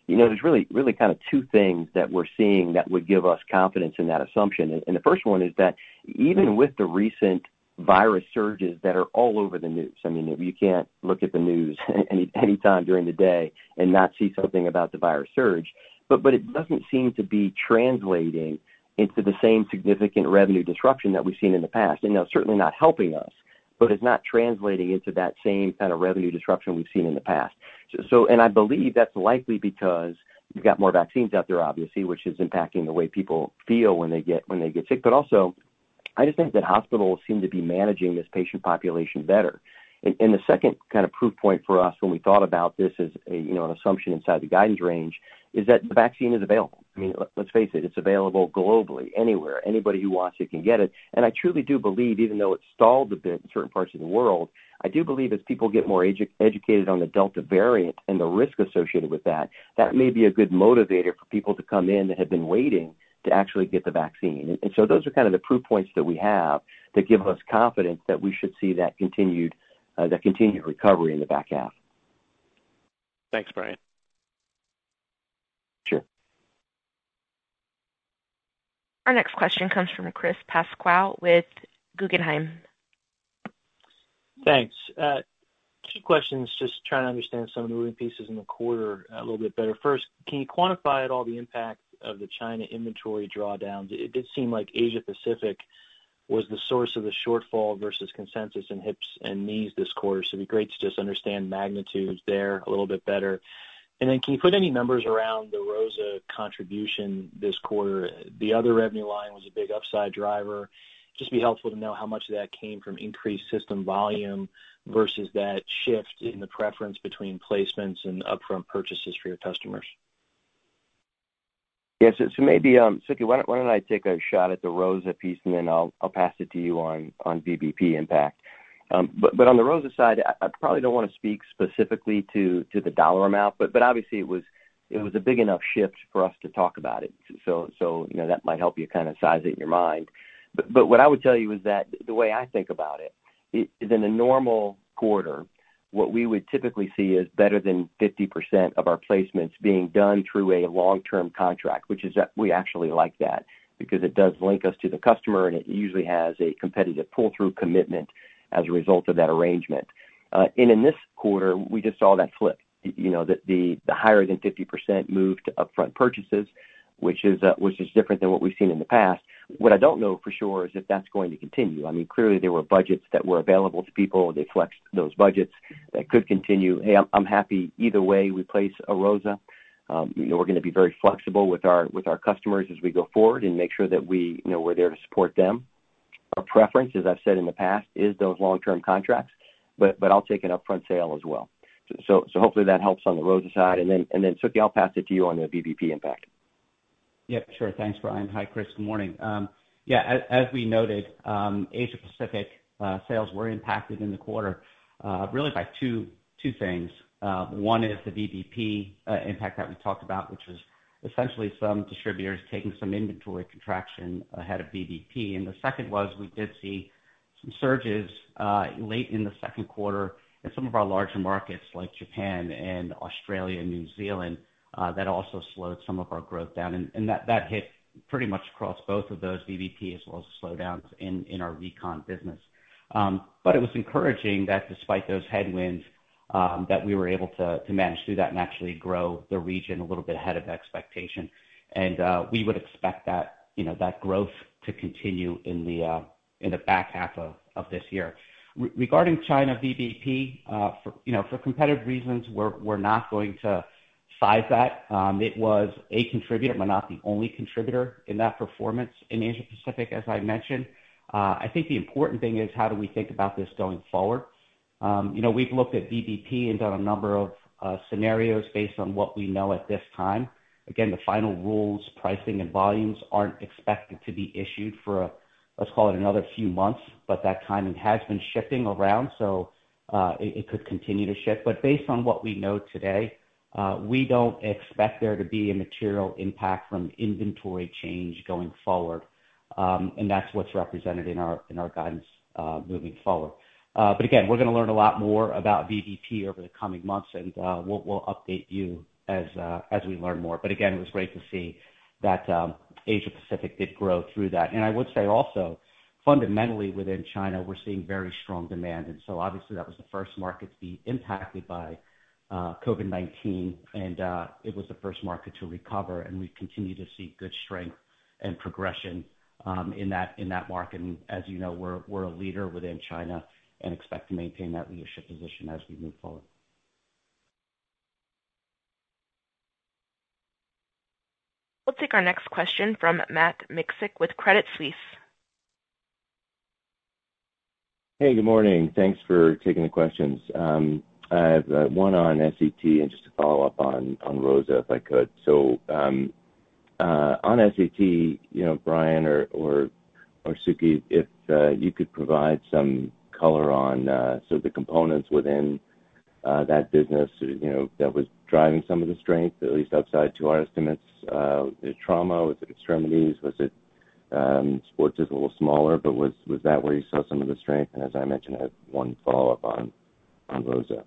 S3: There's really kind of two things that we're seeing that would give us confidence in that assumption. The first one is that even with the recent virus surges that are all over the news, I mean, you can't look at the news any time during the day and not see something about the virus surge. It doesn't seem to be translating into the same significant revenue disruption that we've seen in the past, and certainly not helping us, but it's not translating into that same kind of revenue disruption we've seen in the past. I believe that's likely because you've got more vaccines out there, obviously, which is impacting the way people feel when they get sick. Also, I just think that hospitals seem to be managing this patient population better. The second kind of proof point for us when we thought about this as an assumption inside the guidance range is that the vaccine is available. I mean, let's face it's available globally, anywhere. Anybody who wants it can get it. I truly do believe, even though it's stalled a bit in certain parts of the world, I do believe as people get more educated on the Delta variant and the risk associated with that may be a good motivator for people to come in that have been waiting to actually get the vaccine. Those are kind of the proof points that we have that give us confidence that we should see that continued recovery in the back half.
S9: Thanks, Bryan.
S3: Sure.
S1: Our next question comes from Chris Pasquale with Guggenheim.
S10: Thanks. Two questions, just trying to understand some of the moving pieces in the quarter a little bit better. First, can you quantify at all the impact of the China inventory drawdowns? It did seem like Asia-Pacific was the source of the shortfall versus consensus in hips and knees this quarter. It'd be great to just understand magnitudes there a little bit better. Can you put any numbers around the ROSA contribution this quarter? The other revenue line was a big upside driver. Just be helpful to know how much of that came from increased system volume versus that shift in the preference between placements and upfront purchases for your customers.
S3: Yes. Maybe, Suky, why don't I take a shot at the ROSA piece, and then I'll pass it to you on VBP impact. On the ROSA side, I probably don't want to speak specifically to the dollar amount, but obviously it was a big enough shift for us to talk about it. That might help you kind of size it in your mind. What I would tell you is that the way I think about it is in a normal quarter, what we would typically see is better than 50% of our placements being done through a long-term contract, which is that we actually like that because it does link us to the customer, and it usually has a competitive pull-through commitment as a result of that arrangement. In this quarter, we just saw that flip, the higher than 50% move to upfront purchases, which is different than what we've seen in the past. What I don't know for sure is if that's going to continue. I mean, clearly there were budgets that were available to people. They flexed those budgets. That could continue. Hey, I'm happy either way we place a ROSA. We're going to be very flexible with our customers as we go forward and make sure that we're there to support them. Our preference, as I've said in the past, is those long-term contracts, but I'll take an upfront sale as well. Hopefully that helps on the ROSA side. Then, Suky, I'll pass it to you on the VBP impact.
S4: Yep, sure. Thanks, Bryan. Hi, Chris, good morning. Yeah, as we noted, Asia-Pacific sales were impacted in the quarter really by two things. One is the VBP impact that we talked about, which was essentially some distributors taking some inventory contraction ahead of VBP. The second was we did see some surges late in the second quarter in some of our larger markets like Japan and Australia, New Zealand, that also slowed some of our growth down, and that hit pretty much across both of those VBPs as well as slowdowns in our recon business. It was encouraging that despite those headwinds, that we were able to manage through that and actually grow the region a little bit ahead of expectation. We would expect that growth to continue in the back half of this year. Regarding China VBP, for competitive reasons, we're not going to size that. It was a contributor, but not the only contributor in that performance in Asia-Pacific, as I mentioned. I think the important thing is how do we think about this going forward? We've looked at VBP and done a number of scenarios based on what we know at this time. Again, the final rules, pricing, and volumes aren't expected to be issued for, let's call it another few months, but that timing has been shifting around, so it could continue to shift. Based on what we know today, we don't expect there to be a material impact from inventory change going forward, and that's what's represented in our guidance moving forward. Again, we're going to learn a lot more about VBP over the coming months, and we'll update you as we learn more. Again, it was great to see that Asia-Pacific did grow through that. I would say also, fundamentally within China, we're seeing very strong demand. Obviously that was the first market to be impacted by COVID-19, and it was the first market to recover, and we continue to see good strength and progression in that market. As you know, we're a leader within China and expect to maintain that leadership position as we move forward.
S1: We'll take our next question from Matt Miksic with Credit Suisse.
S11: Hey, good morning. Thanks for taking the questions. I have one on SET and just to follow up on ROSA, if I could. On SET, Bryan or Suky, if you could provide some color on sort of the components within that business that was driving some of the strength, at least outside to our estimates. Was it trauma? Was it extremities? Was it sports is a little smaller, but was that where you saw some of the strength? As I mentioned, I have one follow-up on ROSA.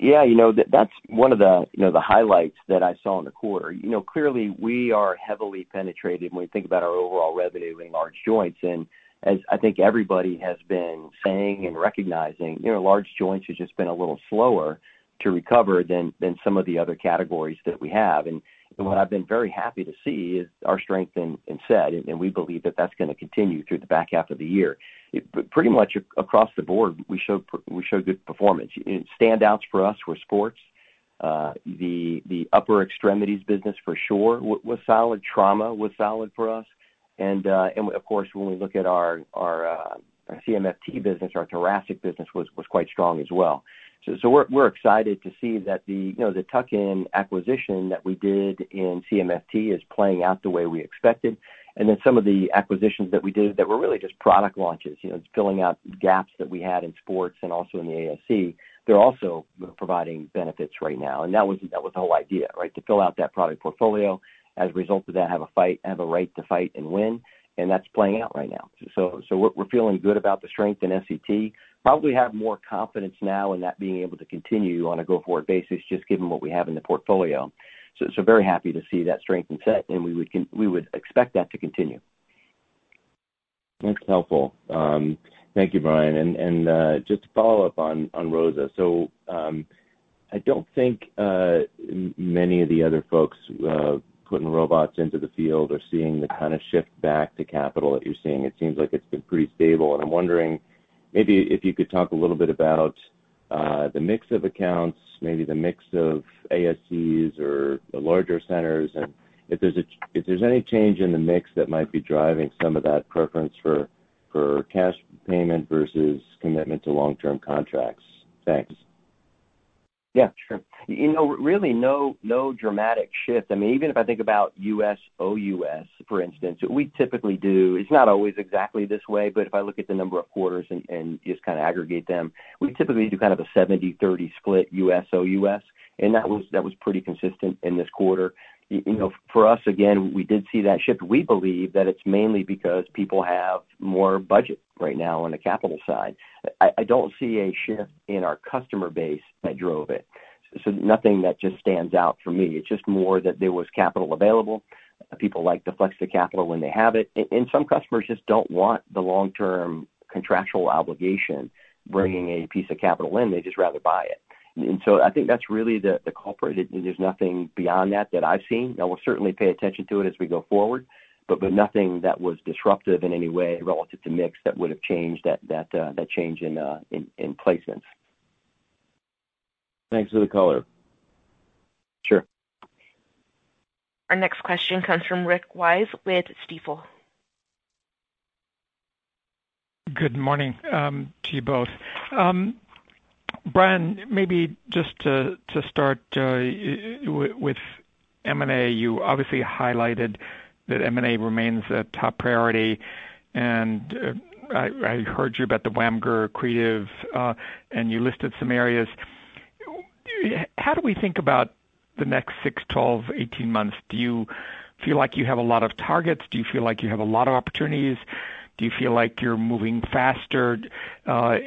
S3: Yeah, that's one of the highlights that I saw in the quarter. Clearly we are heavily penetrated when we think about our overall revenue in large joints, and as I think everybody has been saying and recognizing, large joints have just been a little slower to recover than some of the other categories that we have. What I've been very happy to see is our strength in SET, and we believe that that's going to continue through the back half of the year. Pretty much across the board, we showed good performance. Standouts for us were sports. The upper extremities business for sure was solid. Trauma was solid for us. Of course, when we look at our CMFT business, our thoracic business was quite strong as well. We're excited to see that the tuck-in acquisition that we did in CMFT is playing out the way we expected. Then some of the acquisitions that we did that were really just product launches, filling out gaps that we had in sports and also in the ASC, they're also providing benefits right now, and that was the whole idea, right? To fill out that product portfolio, as a result of that, have a right to fight and win, and that's playing out right now. We're feeling good about the strength in SET. Probably have more confidence now in that being able to continue on a go-forward basis, just given what we have in the portfolio. Very happy to see that strength in SET, and we would expect that to continue.
S11: That's helpful. Thank you, Bryan. Just to follow up on ROSA. I don't think many of the other folks putting robots into the field are seeing the kind of shift back to capital that you're seeing. It seems like it's been pretty stable, and I'm wondering maybe if you could talk a little bit about the mix of accounts, maybe the mix of ASCs or the larger centers, and if there's any change in the mix that might be driving some of that preference for cash payment versus commitment to long-term contracts. Thanks.
S3: Yeah, sure. Really no dramatic shift. I mean, even if I think about U.S., OUS, for instance, what we typically do, it's not always exactly this way, but if I look at the number of quarters and just kind of aggregate them, we typically do kind of a 70-30 split U.S., OUS, and that was pretty consistent in this quarter. For us, again, we did see that shift. We believe that it's mainly because people have more budget right now on the capital side. I don't see a shift in our customer base that drove it. Nothing that just stands out for me. It's just more that there was capital available. People like to flex the capital when they have it, and some customers just don't want the long-term contractual obligation, bringing a piece of capital in. They'd just rather buy it. I think that's really the culprit. There's nothing beyond that that I've seen. I will certainly pay attention to it as we go forward, but nothing that was disruptive in any way relative to mix that would have changed that change in placements.
S11: Thanks for the color.
S3: Sure.
S1: Our next question comes from Rick Wise with Stifel.
S12: Good morning to you both. Bryan, maybe just to start with M&A, you obviously highlighted that M&A remains a top priority. I heard you about the WAMGR accretive, and you listed some areas. How do we think about the next 6, 12, 18 months? Do you feel like you have a lot of targets? Do you feel like you have a lot of opportunities? Do you feel like you're moving faster? The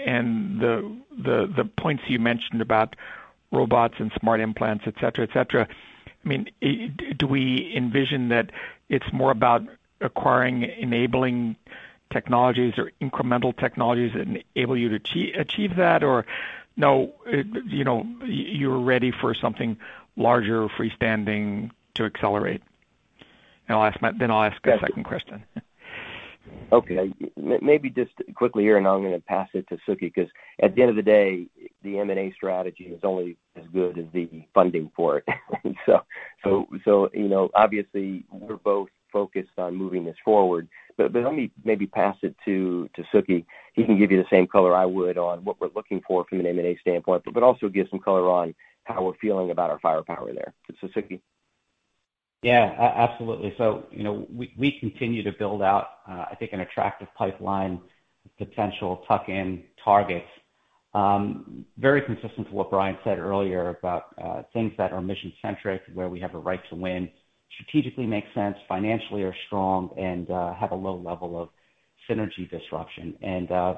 S12: points you mentioned about robots and smart implants, et cetera. Do we envision that it's more about acquiring enabling technologies or incremental technologies that enable you to achieve that? No, you're ready for something larger, freestanding to accelerate? I'll ask a second question.
S3: Okay. Maybe just quickly here, I'm going to pass it to Suky because at the end of the day, the M&A strategy is only as good as the funding for it. Obviously we're both focused on moving this forward. Let me maybe pass it to Suky. He can give you the same color I would on what we're looking for from an M&A standpoint, but also give some color on how we're feeling about our firepower there. Suky.
S4: Yeah, absolutely. We continue to build out, I think, an attractive pipeline of potential tuck-in targets. Very consistent to what Bryan said earlier about things that are mission-centric, where we have a right to win, strategically makes sense, financially are strong, and have a low level of synergy disruption.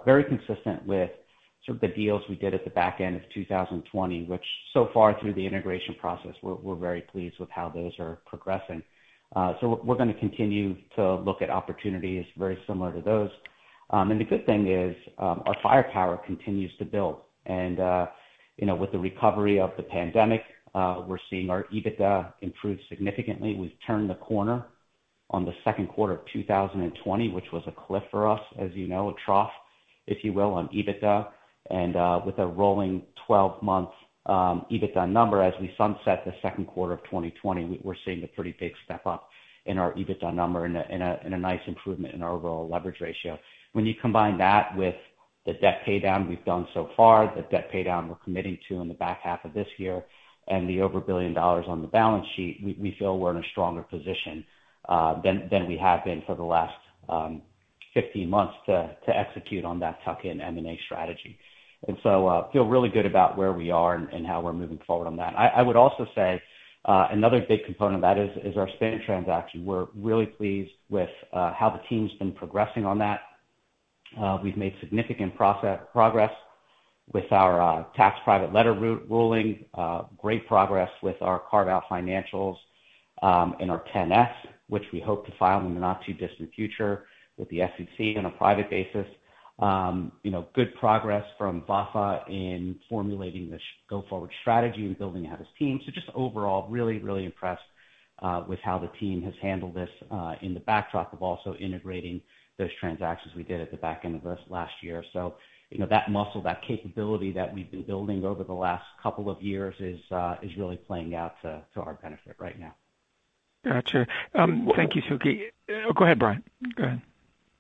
S4: Very consistent with sort of the deals we did at the back end of 2020, which so far through the integration process, we're very pleased with how those are progressing. We're going to continue to look at opportunities very similar to those. The good thing is our firepower continues to build. With the recovery of the pandemic, we're seeing our EBITDA improve significantly. We've turned the corner on the second quarter of 2020, which was a cliff for us, as you know. A trough, if you will, on EBITDA. With a rolling 12-month EBITDA number as we sunset the second quarter of 2020, we're seeing a pretty big step-up in our EBITDA number and a nice improvement in our overall leverage ratio. When you combine that with the debt pay down we've done so far, the debt pay down we're committing to in the back half of this year, and the over $1 billion on the balance sheet, we feel we're in a stronger position than we have been for the last 15 months to execute on that tuck-in M&A strategy. So feel really good about where we are and how we're moving forward on that. I would also say another big component of that is our spin transaction. We're really pleased with how the team's been progressing on that. We've made significant progress with our tax private letter ruling. Great progress with our carve-out financials in our 10-S, which we hope to file in the not-too-distant future with the SEC on a private basis. Good progress from Vafa in formulating this go-forward strategy and building out his team. Just overall, really impressed with how the team has handled this in the backdrop of also integrating those transactions we did at the back end of last year. That muscle, that capability that we've been building over the last couple of years is really playing out to our benefit right now.
S12: Got you. Thank you, Suky. Go ahead, Bryan. Go ahead.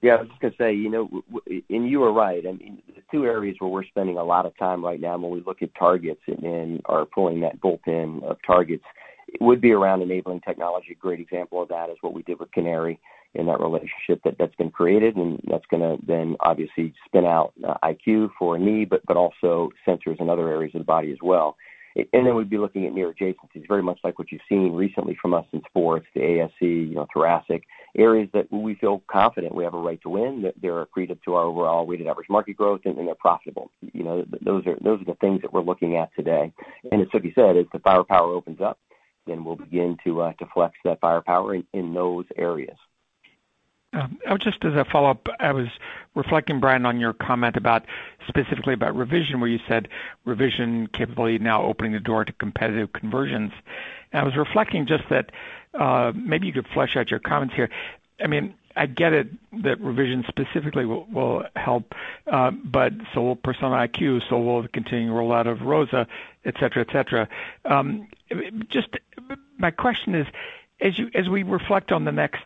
S3: Yeah, I was just going to say, you are right. I mean, the two areas where we're spending a lot of time right now when we look at targets and are pulling that bolt-in of targets would be around enabling technology. A great example of that is what we did with Canary and that relationship that's been created, and that's going to then obviously spin out IQ for knee, but also sensors in other areas of the body as well. Then we'd be looking at near adjacencies, very much like what you've seen recently from us in sports, the ASC, thoracic. Areas that we feel confident we have a right to win, that they're accretive to our overall weighted average market growth, and they're profitable. Those are the things that we're looking at today. As Suky said, as the firepower opens up, then we'll begin to flex that firepower in those areas.
S12: Just as a follow-up, I was reflecting, Bryan, on your comment specifically about revision, where you said revision capability now opening the door to competitive conversions. I was reflecting just that maybe you could flesh out your comments here. I get it that revision specifically will help, but so will Persona IQ, so will the continuing rollout of ROSA, et cetera. My question is, as we reflect on the next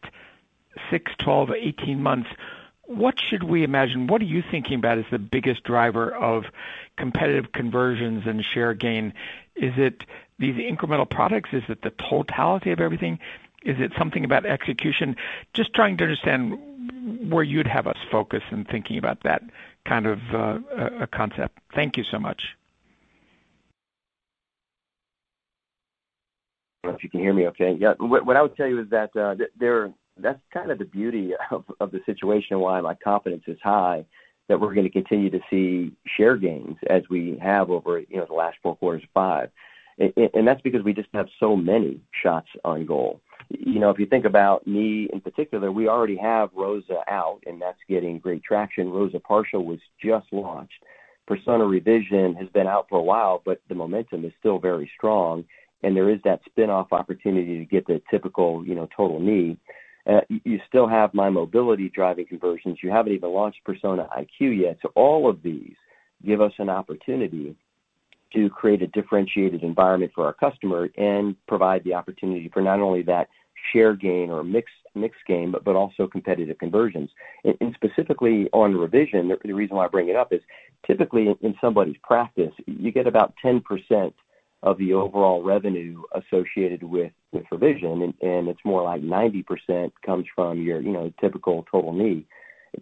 S12: 6, 12, 18 months, what should we imagine? What are you thinking about as the biggest driver of competitive conversions and share gain? Is it these incremental products? Is it the totality of everything? Is it something about execution? Just trying to understand where you'd have us focus in thinking about that kind of concept. Thank you so much.
S3: Don't know if you can hear me okay. Yeah. What I would tell you is that's kind of the beauty of the situation and why my confidence is high that we're going to continue to see share gains as we have over the last four quarters, five. That's because we just have so many shots on goal. If you think about knee in particular, we already have ROSA out, and that's getting great traction. ROSA Partial was just launched. Persona Revision has been out for a while, but the momentum is still very strong, and there is that spin-off opportunity to get the typical total knee. You still have mymobility driving conversions. You haven't even launched Persona IQ yet. All of these give us an opportunity to create a differentiated environment for our customer and provide the opportunity for not only that share gain or mix gain, but also competitive conversions. Specifically on revision, the reason why I bring it up is typically in somebody's practice, you get about 10% of the overall revenue associated with revision, and it's more like 90% comes from your typical total knee.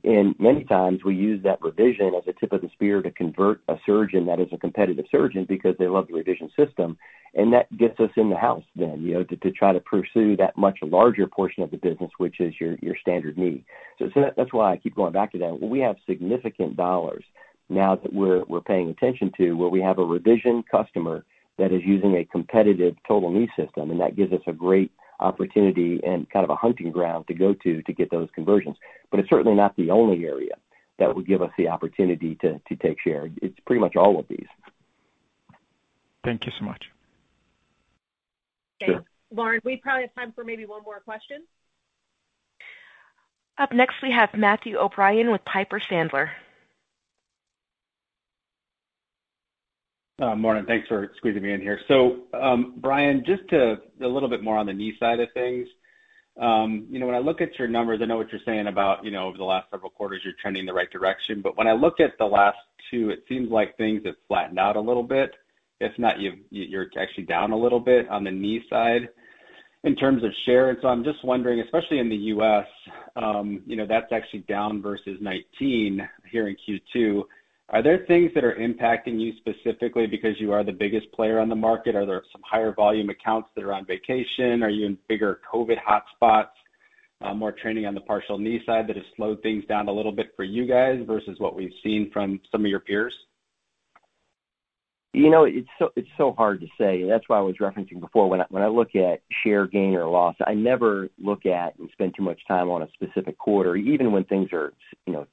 S3: Many times we use that revision as a tip of the spear to convert a surgeon that is a competitive surgeon because they love the revision system, and that gets us in the house then, to try to pursue that much larger portion of the business, which is your standard knee. That's why I keep going back to that. We have significant dollars now that we're paying attention to where we have a revision customer that is using a competitive total knee system. That gives us a great opportunity and kind of a hunting ground to go to get those conversions. It's certainly not the one area that would give us the opportunity to take share. It's pretty much all of these.
S12: Thank you so much.
S3: Sure.
S2: Lauren, we probably have time for maybe one more question.
S1: Up next, we have Matthew O'Brien with Piper Sandler.
S13: Morning. Thanks for squeezing me in here. Bryan, just a little bit more on the knee side of things. When I look at your numbers, I know what you're saying about over the last several quarters, you're trending in the right direction. When I look at the last two, it seems like things have flattened out a little bit. If not, you're actually down a little bit on the knee side in terms of share. I'm just wondering, especially in the U.S., that's actually down versus 2019 here in Q2. Are there things that are impacting you specifically because you are the biggest player on the market? Are there some higher volume accounts that are on vacation? Are you in bigger COVID hotspots, more training on the partial knee side that has slowed things down a little bit for you guys versus what we've seen from some of your peers?
S3: It's so hard to say. That's why I was referencing before, when I look at share gain or loss, I never look at and spend too much time on a specific quarter, even when things are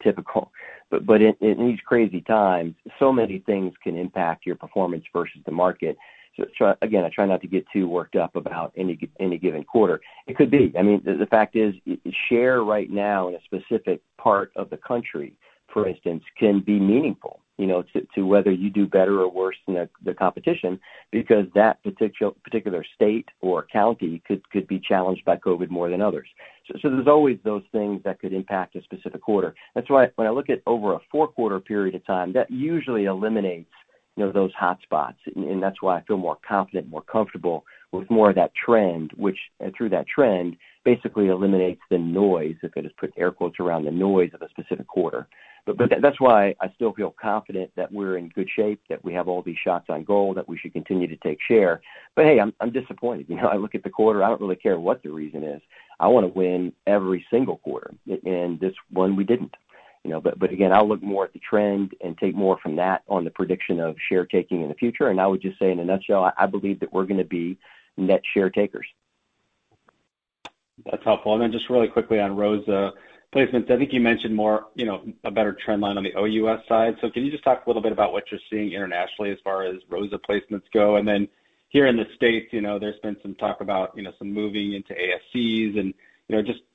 S3: typical. In these crazy times, so many things can impact your performance versus the market. Again, I try not to get too worked up about any given quarter. It could be. I mean, the fact is, share right now in a specific part of the country, for instance, can be meaningful, to whether you do better or worse than the competition, because that particular state or county could be challenged by COVID more than others. There's always those things that could impact a specific quarter. That's why when I look at over a four-quarter period of time, that usually eliminates those hotspots, and that's why I feel more confident, more comfortable with more of that trend, which through that trend basically eliminates the noise, if I just put air quotes around the noise of a specific quarter. That's why I still feel confident that we're in good shape, that we have all these shots on goal, that we should continue to take share. Hey, I'm disappointed. I look at the quarter, I don't really care what the reason is. I want to win every single quarter, and this one we didn't. Again, I'll look more at the trend and take more from that on the prediction of share taking in the future. I would just say in a nutshell, I believe that we're going to be net share takers.
S13: That's helpful. Just really quickly on ROSA placements, I think you mentioned more, a better trend line on the OUS side. Can you just talk a little bit about what you're seeing internationally as far as ROSA placements go? Then here in the U.S., there's been some talk about some moving into ASCs and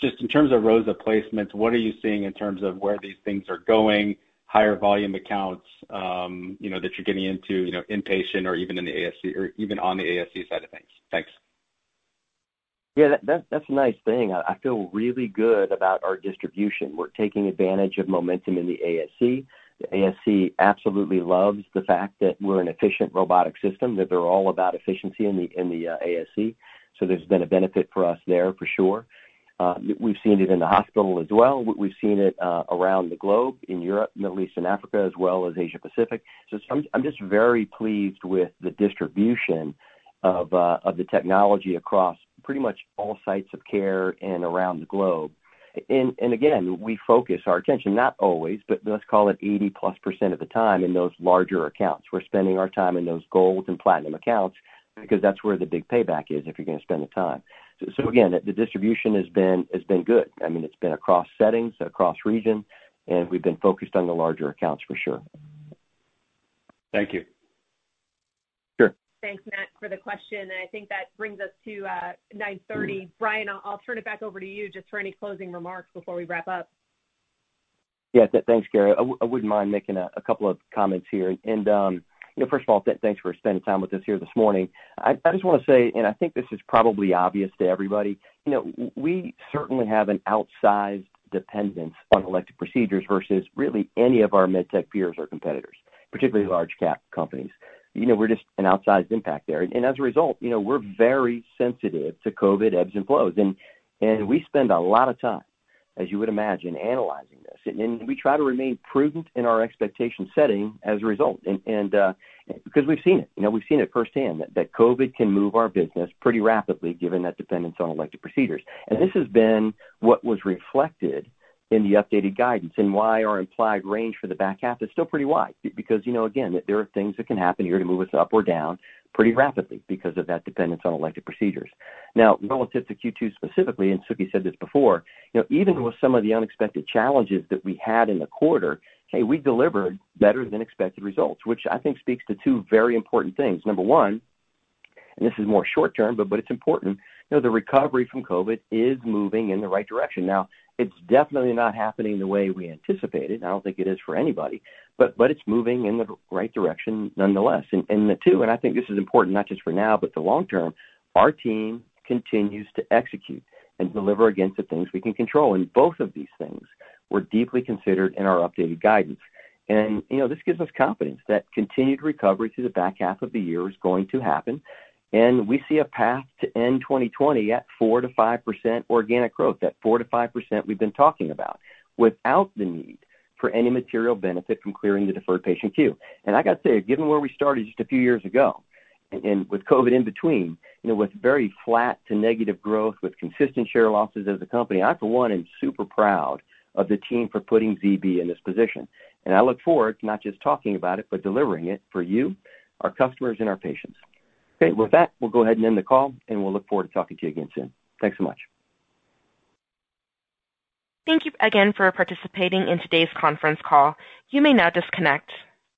S13: just in terms of ROSA placements, what are you seeing in terms of where these things are going, higher volume accounts that you're getting into, inpatient or even in the ASC or even on the ASC side of things? Thanks.
S3: Yeah, that's a nice thing. I feel really good about our distribution. We're taking advantage of momentum in the ASC. The ASC absolutely loves the fact that we're an efficient robotic system, that they're all about efficiency in the ASC. There's been a benefit for us there for sure. We've seen it in the hospital as well. We've seen it around the globe, in Europe, Middle East, and Africa, as well as Asia-Pacific. I'm just very pleased with the distribution of the technology across pretty much all sites of care and around the globe. Again, we focus our attention, not always, but let's call it 80%+ of the time in those larger accounts. We're spending our time in those gold and platinum accounts because that's where the big payback is if you're going to spend the time. Again, the distribution has been good. I mean, it's been across settings, across region, and we've been focused on the larger accounts for sure.
S13: Thank you.
S3: Sure.
S2: Thanks, Matt, for the question. I think that brings us to 9:30. Bryan, I'll turn it back over to you just for any closing remarks before we wrap up.
S3: Yeah. Thanks, Keri. I wouldn't mind making a couple of comments here. First of all, thanks for spending time with us here this morning. I just want to say, and I think this is probably obvious to everybody, we certainly have an outsized dependence on elective procedures versus really any of our med tech peers or competitors, particularly large cap companies. We're just an outsized impact there. As a result, we're very sensitive to COVID ebbs and flows. We spend a lot of time, as you would imagine, analyzing this. We try to remain prudent in our expectation setting as a result. Because we've seen it, we've seen it firsthand that COVID can move our business pretty rapidly given that dependence on elective procedures. This has been what was reflected in the updated guidance and why our implied range for the back half is still pretty wide. Again, there are things that can happen here to move us up or down pretty rapidly because of that dependence on elective procedures. Relative to Q2 specifically, and Suky said this before, even with some of the unexpected challenges that we had in the quarter, hey, we delivered better than expected results, which I think speaks to two very important things. Number one, and this is more short term, but it's important, the recovery from COVID is moving in the right direction. It's definitely not happening the way we anticipated, and I don't think it is for anybody, but it's moving in the right direction nonetheless. The two, and I think this is important not just for now, but the long term, our team continues to execute and deliver against the things we can control. Both of these things were deeply considered in our updated guidance. This gives us confidence that continued recovery through the back half of the year is going to happen. We see a path to end 2020 at 4%-5% organic growth, that 4%-5% we've been talking about, without the need for any material benefit from clearing the deferred patient queue. I got to say, given where we started just a few years ago, with COVID in between, with very flat to negative growth, with consistent share losses as a company, I, for one, am super proud of the team for putting ZB in this position. I look forward to not just talking about it, but delivering it for you, our customers, and our patients. With that, we'll go ahead and end the call, and we'll look forward to talking to you again soon. Thanks so much.
S1: Thank you again for participating in today's conference call. You may now disconnect.